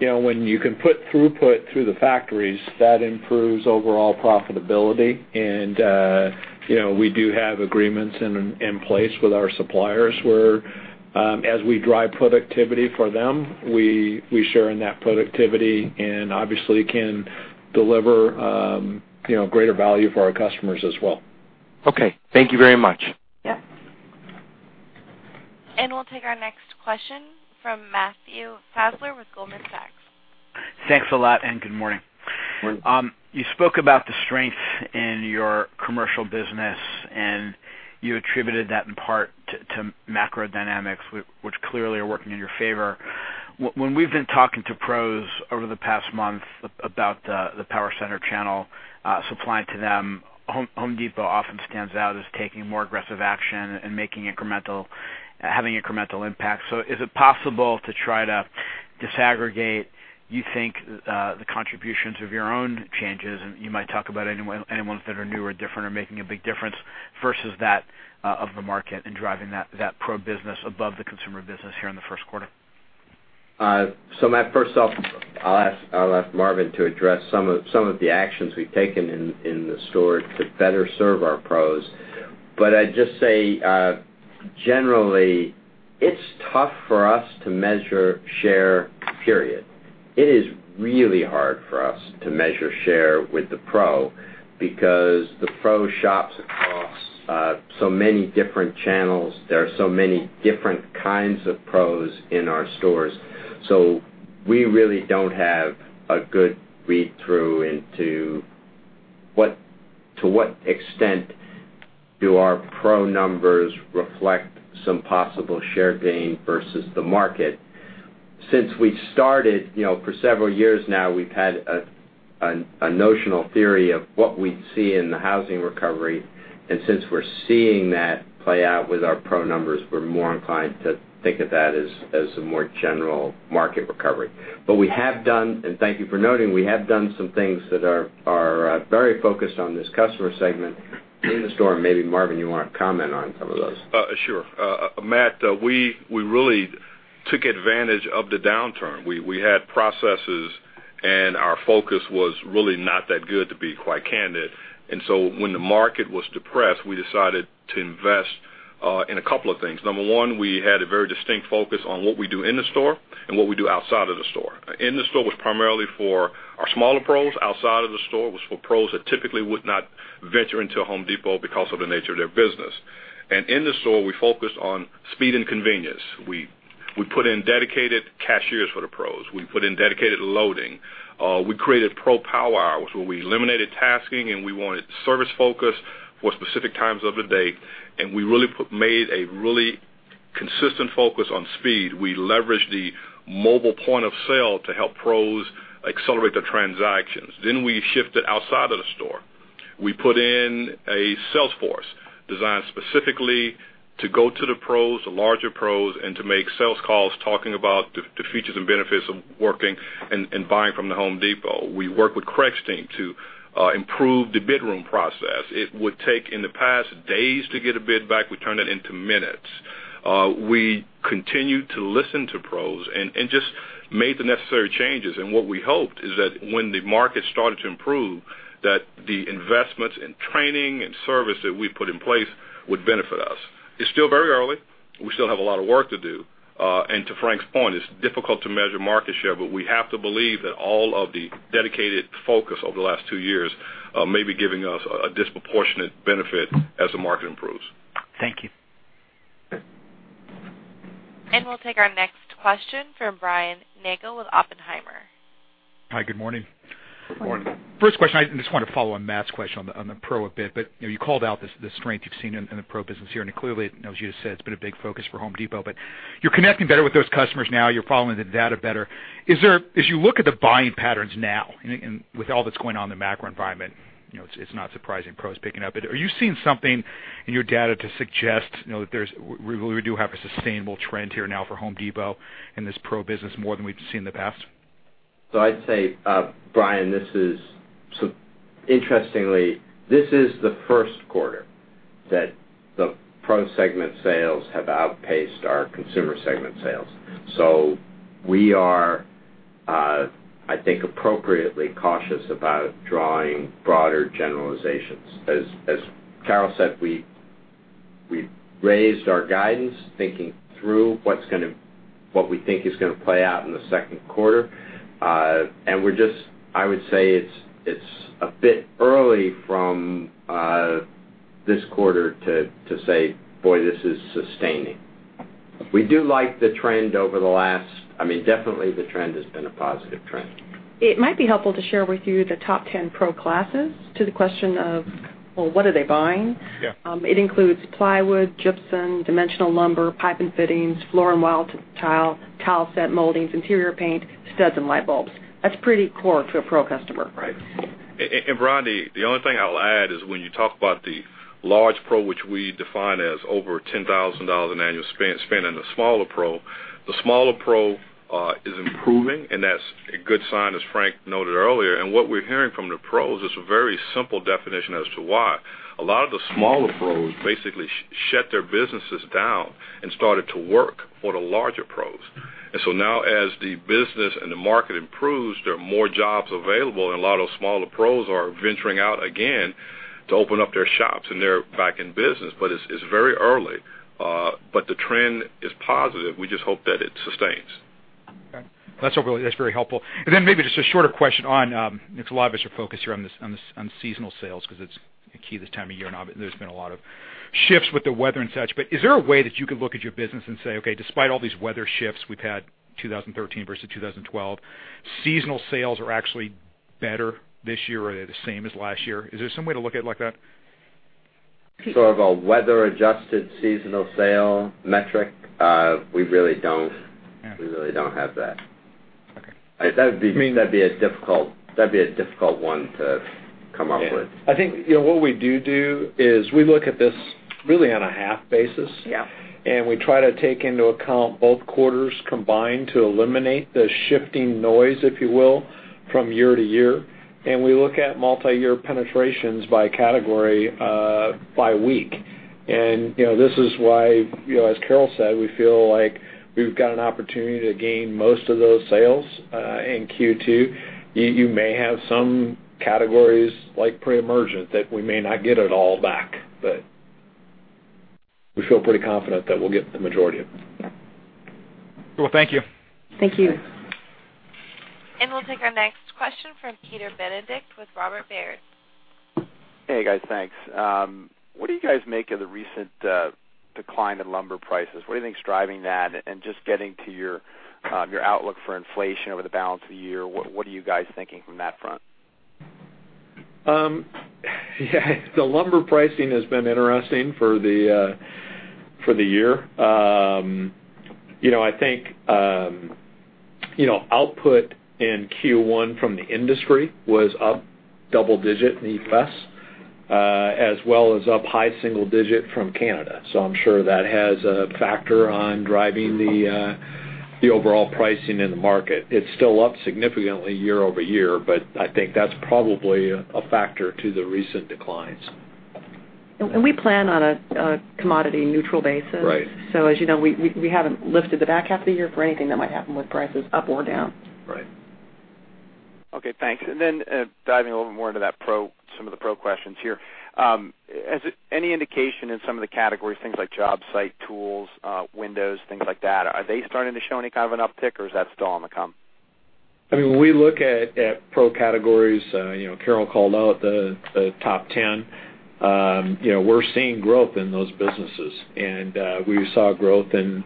[SPEAKER 4] when you can put throughput through the factories, that improves overall profitability. We do have agreements in place with our suppliers where, as we drive productivity for them, we share in that productivity and obviously can deliver greater value for our customers as well.
[SPEAKER 13] Okay. Thank you very much.
[SPEAKER 5] Yeah.
[SPEAKER 1] We'll take our next question from Matthew Fassler with Goldman Sachs.
[SPEAKER 14] Thanks a lot. Good morning. You spoke about the strength in your commercial business. You attributed that in part to macro dynamics, which clearly are working in your favor. When we've been talking to pros over the past month about the power center channel supplying to them, The Home Depot often stands out as taking more aggressive action and having incremental impact. Is it possible to try to disaggregate, you think, the contributions of your own changes, and you might talk about any ones that are new or different or making a big difference versus that of the market and driving that pro business above the consumer business here in the first quarter?
[SPEAKER 3] Matt, first off, I'll ask Marvin to address some of the actions we've taken in the store to better serve our pros. I'd just say, generally, it's tough for us to measure share, period. It is really hard for us to measure share with the pro, because the pro shops across so many different channels, there are so many different kinds of pros in our stores. We really don't have a good read through into to what extent do our pro numbers reflect some possible share gain versus the market. Since we started, for several years now, we've had a notional theory of what we'd see in the housing recovery. Since we're seeing that play out with our pro numbers, we're more inclined to think of that as a more general market recovery. We have done, and thank you for noting, we have done some things that are very focused on this customer segment in the store. Maybe Marvin, you want to comment on some of those.
[SPEAKER 7] Sure. Matt, we really took advantage of the downturn. We had processes. Our focus was really not that good, to be quite candid. When the market was depressed, we decided to invest in a couple of things. Number one, we had a very distinct focus on what we do in the store and what we do outside of the store. In the store was primarily for our smaller pros. Outside of the store was for pros that typically would not venture into a The Home Depot because of the nature of their business. In the store, we focused on speed and convenience. We put in dedicated cashiers for the pros. We put in dedicated loading. We created pro power hours, where we eliminated tasking, and we wanted service focus for specific times of the day. We really made a really consistent focus on speed. We leveraged the mobile point of sale to help pros accelerate their transactions. We shifted outside of the store. We put in a sales force designed specifically to go to the pros, the larger pros, and to make sales calls talking about the features and benefits of working and buying from The Home Depot. We worked with Craig's team to improve the bid room process. It would take, in the past, days to get a bid back. We turned that into minutes. We continued to listen to pros and just made the necessary changes. What we hoped is that when the market started to improve, that the investments in training and service that we put in place would benefit us. It's still very early. We still have a lot of work to do. To Frank's point, it's difficult to measure market share, but we have to believe that all of the dedicated focus over the last two years may be giving us a disproportionate benefit as the market improves.
[SPEAKER 14] Thank you.
[SPEAKER 1] We'll take our next question from Brian Nagel with Oppenheimer.
[SPEAKER 15] Hi, good morning.
[SPEAKER 3] Good morning.
[SPEAKER 15] First question, I just wanted to follow on Matt's question on the pro a bit. You called out the strength you've seen in the pro business here, and clearly, as you just said, it's been a big focus for Home Depot. You're connecting better with those customers now. You're following the data better. As you look at the buying patterns now, with all that's going on in the macro environment, it's not surprising pros picking up. Are you seeing something in your data to suggest that we do have a sustainable trend here now for Home Depot in this pro business more than we've seen in the past?
[SPEAKER 3] I'd say, Brian, interestingly, this is the first quarter that the Pro Segment sales have outpaced our Consumer Segment sales. We are, I think, appropriately cautious about drawing broader generalizations. As Carol said, we raised our guidance, thinking through what we think is going to play out in the second quarter. I would say it's a bit early from this quarter to say, "Boy, this is sustaining." We do like the trend. Definitely the trend has been a positive trend.
[SPEAKER 5] It might be helpful to share with you the top 10 pro classes to the question of, well, what are they buying?
[SPEAKER 15] Yeah.
[SPEAKER 5] It includes plywood, gypsum, dimensional lumber, pipe and fittings, floor and wall tile set, moldings, interior paint, studs, and light bulbs. That's pretty core to a pro customer.
[SPEAKER 15] Right.
[SPEAKER 7] Brian, the only thing I'll add is when you talk about the large pro, which we define as over $10,000 in annual spend, and the smaller pro, the smaller pro is improving, and that's a good sign, as Frank noted earlier. What we're hearing from the pros is a very simple definition as to why. A lot of the smaller pros basically shut their businesses down and started to work for the larger pros. So now as the business and the market improves, there are more jobs available, and a lot of smaller pros are venturing out again to open up their shops, and they're back in business. It's very early, but the trend is positive. We just hope that it sustains.
[SPEAKER 15] Okay. That's very helpful. Then maybe just a shorter question on, I know a lot of us are focused here on seasonal sales because it's key this time of year, and there's been a lot of shifts with the weather and such, but is there a way that you could look at your business and say, okay, despite all these weather shifts we've had 2013 versus 2012, seasonal sales are actually better this year, or they're the same as last year? Is there some way to look at it like that?
[SPEAKER 3] Sort of a weather-adjusted seasonal sale metric, we really don't have that.
[SPEAKER 4] Okay.
[SPEAKER 3] That'd be a difficult one to come up with.
[SPEAKER 4] Yeah. I think what we do is we look at this really on a half basis.
[SPEAKER 5] Yeah.
[SPEAKER 4] We try to take into account both quarters combined to eliminate the shifting noise, if you will, from year to year. We look at multi-year penetrations by category by week. This is why, as Carol said, we feel like we've got an opportunity to gain most of those sales in Q2. You may have some categories like pre-emergent that we may not get it all back, but we feel pretty confident that we'll get the majority of it.
[SPEAKER 5] Yeah.
[SPEAKER 4] Cool. Thank you.
[SPEAKER 5] Thank you.
[SPEAKER 1] We'll take our next question from Peter Benedict with Robert W. Baird.
[SPEAKER 16] Hey, guys. Thanks. What do you guys make of the recent decline in lumber prices? What do you think is driving that? Just getting to your outlook for inflation over the balance of the year, what are you guys thinking from that front?
[SPEAKER 4] The lumber pricing has been interesting for the year. I think output in Q1 from the industry was up double-digit in the U.S., as well as up high-single-digit from Canada. I'm sure that has a factor on driving the overall pricing in the market. It's still up significantly year-over-year, but I think that's probably a factor to the recent declines.
[SPEAKER 5] We plan on a commodity neutral basis.
[SPEAKER 4] Right.
[SPEAKER 5] As you know, we haven't lifted the back half of the year for anything that might happen with prices up or down.
[SPEAKER 4] Right.
[SPEAKER 16] Okay, thanks. Then diving a little more into some of the pro questions here. Any indication in some of the categories, things like job site tools, windows, things like that, are they starting to show any kind of an uptick, or is that still on the come?
[SPEAKER 4] When we look at pro categories, Carol called out the top 10. We're seeing growth in those businesses, and we saw growth in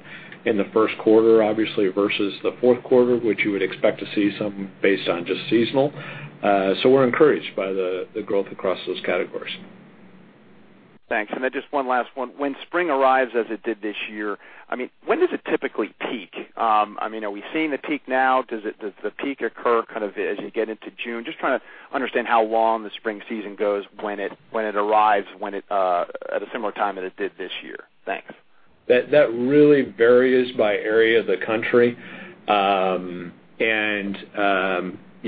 [SPEAKER 4] the first quarter, obviously, versus the fourth quarter, which you would expect to see some based on just seasonal. We're encouraged by the growth across those categories.
[SPEAKER 16] Thanks. Just one last one. When spring arrives as it did this year, when does it typically peak? Are we seeing the peak now? Does the peak occur kind of as you get into June? Just trying to understand how long the spring season goes when it arrives at a similar time that it did this year. Thanks.
[SPEAKER 4] That really varies by area of the country.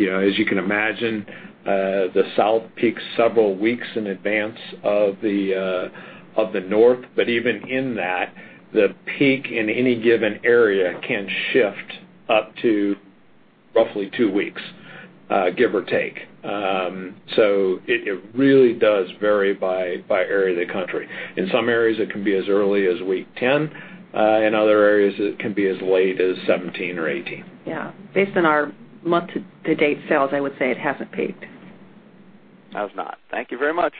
[SPEAKER 4] As you can imagine, the South peaks several weeks in advance of the North. Even in that, the peak in any given area can shift up to roughly two weeks, give or take. It really does vary by area of the country. In some areas, it can be as early as week 10. In other areas, it can be as late as 17 or 18.
[SPEAKER 5] Yeah. Based on our month-to-date sales, I would say it hasn't peaked.
[SPEAKER 16] Has not. Thank you very much.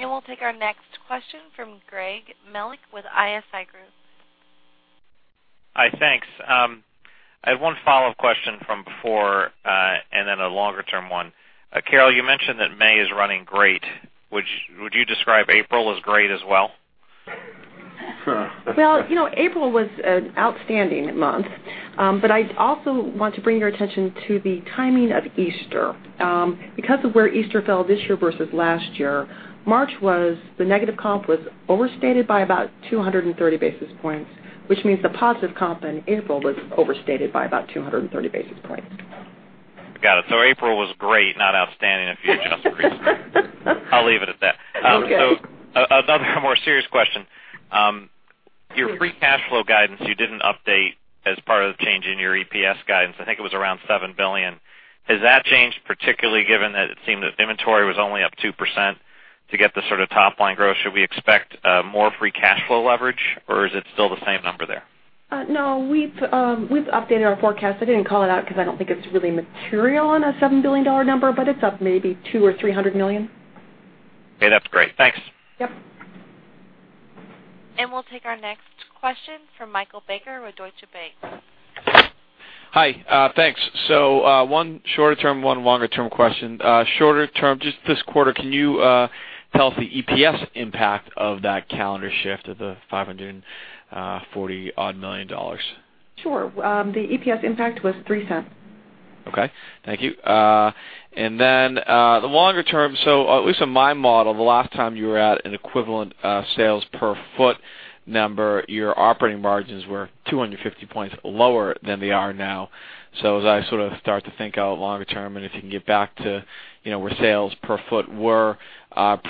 [SPEAKER 1] We'll take our next question from Gregory Melich with ISI Group.
[SPEAKER 17] Hi. Thanks. I have one follow-up question from before, and then a longer-term one. Carol, you mentioned that May is running great. Would you describe April as great as well?
[SPEAKER 5] Well, April was an outstanding month. I also want to bring your attention to the timing of Easter. Because of where Easter fell this year versus last year, March was the negative comp was overstated by about 230 basis points, which means the positive comp in April was overstated by about 230 basis points.
[SPEAKER 17] Got it. April was great, not outstanding if you adjust for Easter. I'll leave it at that.
[SPEAKER 5] Okay.
[SPEAKER 17] Another more serious question. Your free cash flow guidance, you didn't update as part of the change in your EPS guidance. I think it was around $7 billion. Has that changed, particularly given that it seemed that inventory was only up 2% to get the sort of top-line growth? Should we expect more free cash flow leverage, or is it still the same number there?
[SPEAKER 5] No, we've updated our forecast. I didn't call it out because I don't think it's really material on a $7 billion number, but it's up maybe $200 million or $300 million.
[SPEAKER 17] Okay. That's great. Thanks.
[SPEAKER 5] Yep.
[SPEAKER 1] We'll take our next question from Michael Baker with Deutsche Bank.
[SPEAKER 18] Hi. Thanks. One shorter-term, one longer-term question. Shorter term, just this quarter, can you tell us the EPS impact of that calendar shift of the $540 odd million?
[SPEAKER 5] Sure. The EPS impact was $0.03.
[SPEAKER 18] Okay. Thank you. The longer term, at least in my model, the last time you were at an equivalent sales per foot number, your operating margins were 250 points lower than they are now. As I sort to start to think out longer term, and if you can get back to where sales per foot were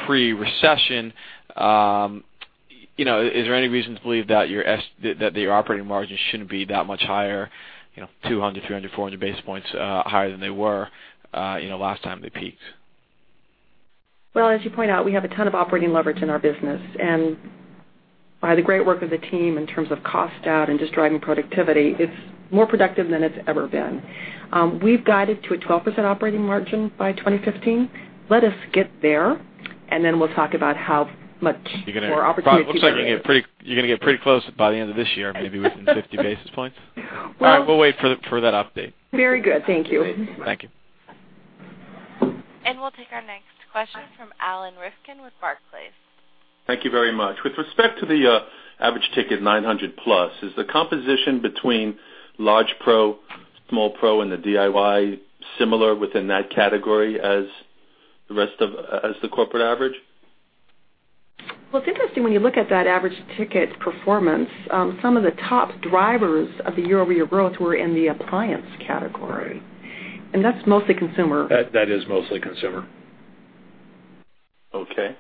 [SPEAKER 18] pre-recession, is there any reason to believe that the operating margin shouldn't be that much higher, 200, 300, 400 basis points higher than they were last time they peaked?
[SPEAKER 5] Well, as you point out, we have a ton of operating leverage in our business. By the great work of the team in terms of cost out and just driving productivity, it's more productive than it's ever been. We've guided to a 12% operating margin by 2015. Let us get there, and then we'll talk about how much more opportunity there is.
[SPEAKER 18] Looks like you're going to get pretty close by the end of this year, maybe within 50 basis points.
[SPEAKER 5] Well-
[SPEAKER 18] All right. We'll wait for that update.
[SPEAKER 5] Very good. Thank you.
[SPEAKER 18] Thank you.
[SPEAKER 1] We'll take our next question from Alan Rifkin with Barclays.
[SPEAKER 19] Thank you very much. With respect to the average ticket 900 plus, is the composition between large pro, small pro, and the DIY similar within that category as the corporate average?
[SPEAKER 5] Well, it's interesting when you look at that average ticket performance. Some of the top drivers of the year-over-year growth were in the appliance category. That's mostly consumer.
[SPEAKER 4] That is mostly consumer.
[SPEAKER 19] Okay.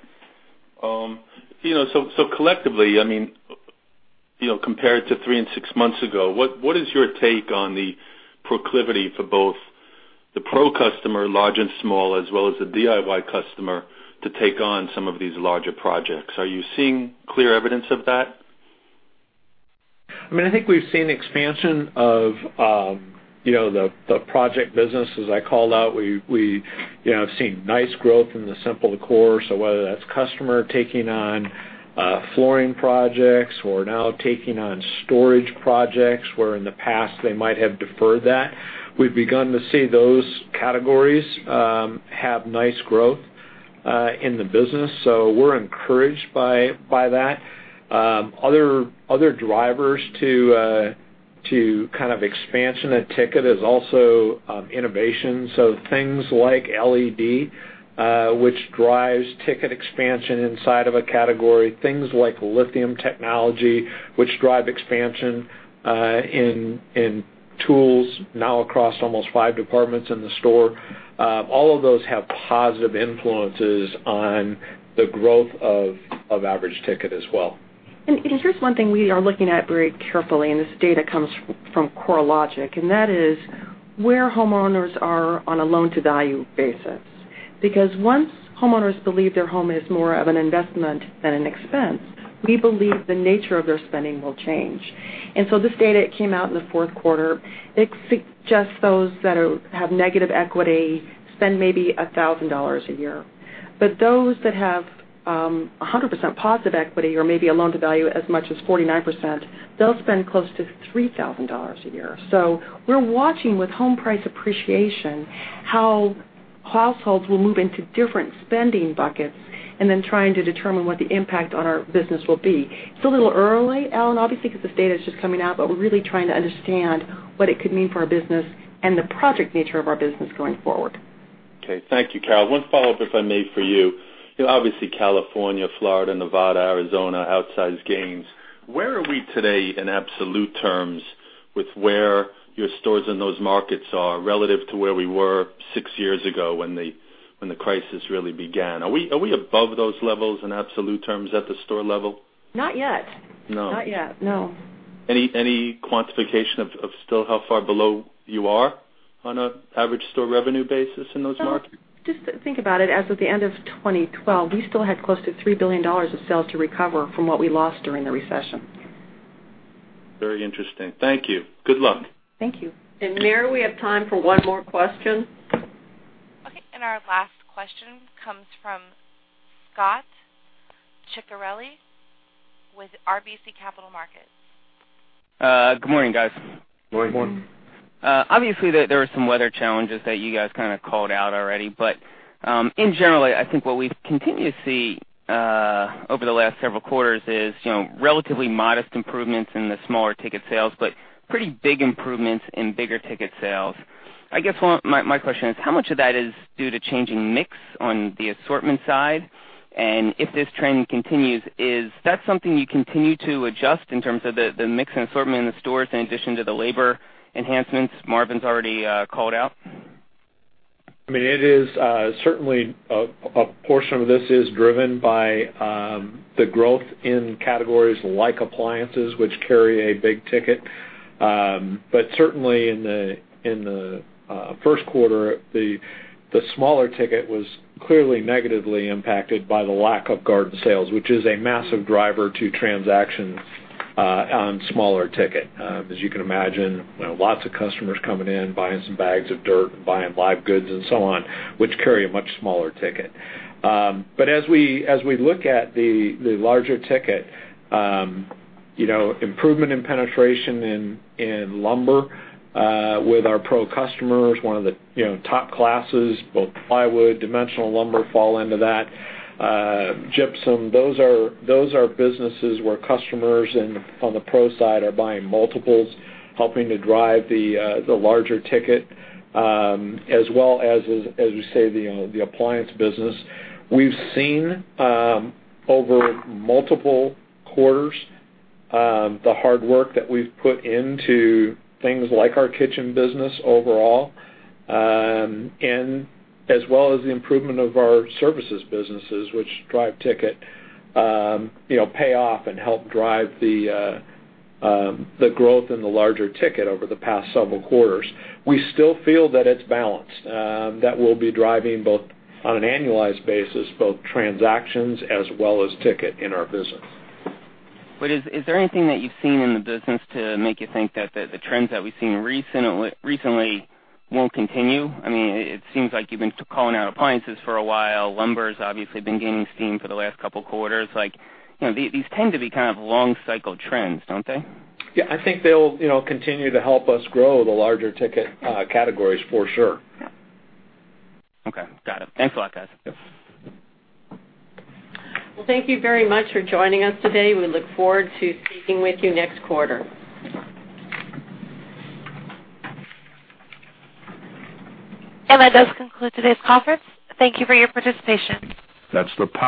[SPEAKER 19] Collectively, compared to three and six months ago, what is your take on the proclivity for both the pro customer, large and small, as well as the DIY customer to take on some of these larger projects? Are you seeing clear evidence of that?
[SPEAKER 4] I think we've seen expansion of the project business, as I called out. We have seen nice growth in the simple core. Whether that's customer taking on flooring projects, who are now taking on storage projects, where in the past they might have deferred that. We've begun to see those categories have nice growth in the business. We're encouraged by that. Other drivers to expansion at ticket is also innovation. Things like LED, which drives ticket expansion inside of a category. Things like lithium technology, which drive expansion in tools, now across almost five departments in the store. All of those have positive influences on the growth of average ticket as well.
[SPEAKER 5] Here's one thing we are looking at very carefully, and this data comes from CoreLogic, and that is where homeowners are on a loan-to-value basis. Because once homeowners believe their home is more of an investment than an expense, we believe the nature of their spending will change. This data came out in the fourth quarter. It suggests those that have negative equity spend maybe $1,000 a year. Those that have 100% positive equity or maybe a loan-to-value as much as 49%, they'll spend close to $3,000 a year. We're watching with home price appreciation how households will move into different spending buckets and then trying to determine what the impact on our business will be. It's a little early, Alan, obviously, because this data is just coming out, but we're really trying to understand what it could mean for our business and the project nature of our business going forward.
[SPEAKER 19] Okay. Thank you, Carol. One follow-up, if I may, for you. Obviously, California, Florida, Nevada, Arizona, outsized gains. Where are we today in absolute terms with where your stores in those markets are relative to where we were six years ago when the crisis really began? Are we above those levels in absolute terms at the store level?
[SPEAKER 5] Not yet.
[SPEAKER 19] No.
[SPEAKER 5] Not yet, no.
[SPEAKER 19] Any quantification of still how far below you are on an average store revenue basis in those markets?
[SPEAKER 5] Just think about it. As of the end of 2012, we still had close to $3 billion of sales to recover from what we lost during the recession.
[SPEAKER 19] Very interesting. Thank you. Good luck.
[SPEAKER 5] Thank you.
[SPEAKER 2] Mary, we have time for one more question.
[SPEAKER 1] Okay. Our last question comes from Scot Ciccarelli with RBC Capital Markets.
[SPEAKER 20] Good morning, guys.
[SPEAKER 4] Good morning. Morning.
[SPEAKER 20] Obviously, there were some weather challenges that you guys called out already. In general, I think what we've continued to see over the last several quarters is relatively modest improvements in the smaller ticket sales, but pretty big improvements in bigger ticket sales. I guess my question is, how much of that is due to changing mix on the assortment side? If this trend continues, is that something you continue to adjust in terms of the mix and assortment in the stores, in addition to the labor enhancements Marvin's already called out?
[SPEAKER 4] Certainly, a portion of this is driven by the growth in categories like appliances, which carry a big ticket. Certainly, in the first quarter, the smaller ticket was clearly negatively impacted by the lack of garden sales, which is a massive driver to transactions on smaller ticket. As you can imagine, lots of customers coming in, buying some bags of dirt, buying live goods and so on, which carry a much smaller ticket. As we look at the larger ticket, improvement in penetration in lumber with our pro customers, one of the top classes, both plywood, dimensional lumber fall into that. Gypsum. Those are businesses where customers on the pro side are buying multiples, helping to drive the larger ticket, as well as we say, the appliance business. We've seen, over multiple quarters, the hard work that we've put into things like our kitchen business overall, and as well as the improvement of our services businesses, which drive ticket pay off and help drive the growth in the larger ticket over the past several quarters. We still feel that it's balanced, that we'll be driving, on an annualized basis, both transactions as well as ticket in our business.
[SPEAKER 20] Is there anything that you've seen in the business to make you think that the trends that we've seen recently won't continue? It seems like you've been calling out appliances for a while. Lumber has obviously been gaining steam for the last couple of quarters. These tend to be long cycle trends, don't they?
[SPEAKER 4] Yeah, I think they'll continue to help us grow the larger ticket categories, for sure.
[SPEAKER 5] Yeah.
[SPEAKER 20] Okay, got it. Thanks a lot, guys.
[SPEAKER 4] Yep.
[SPEAKER 2] Well, thank you very much for joining us today. We look forward to speaking with you next quarter.
[SPEAKER 1] That does conclude today's conference. Thank you for your participation.
[SPEAKER 19] That's a wrap.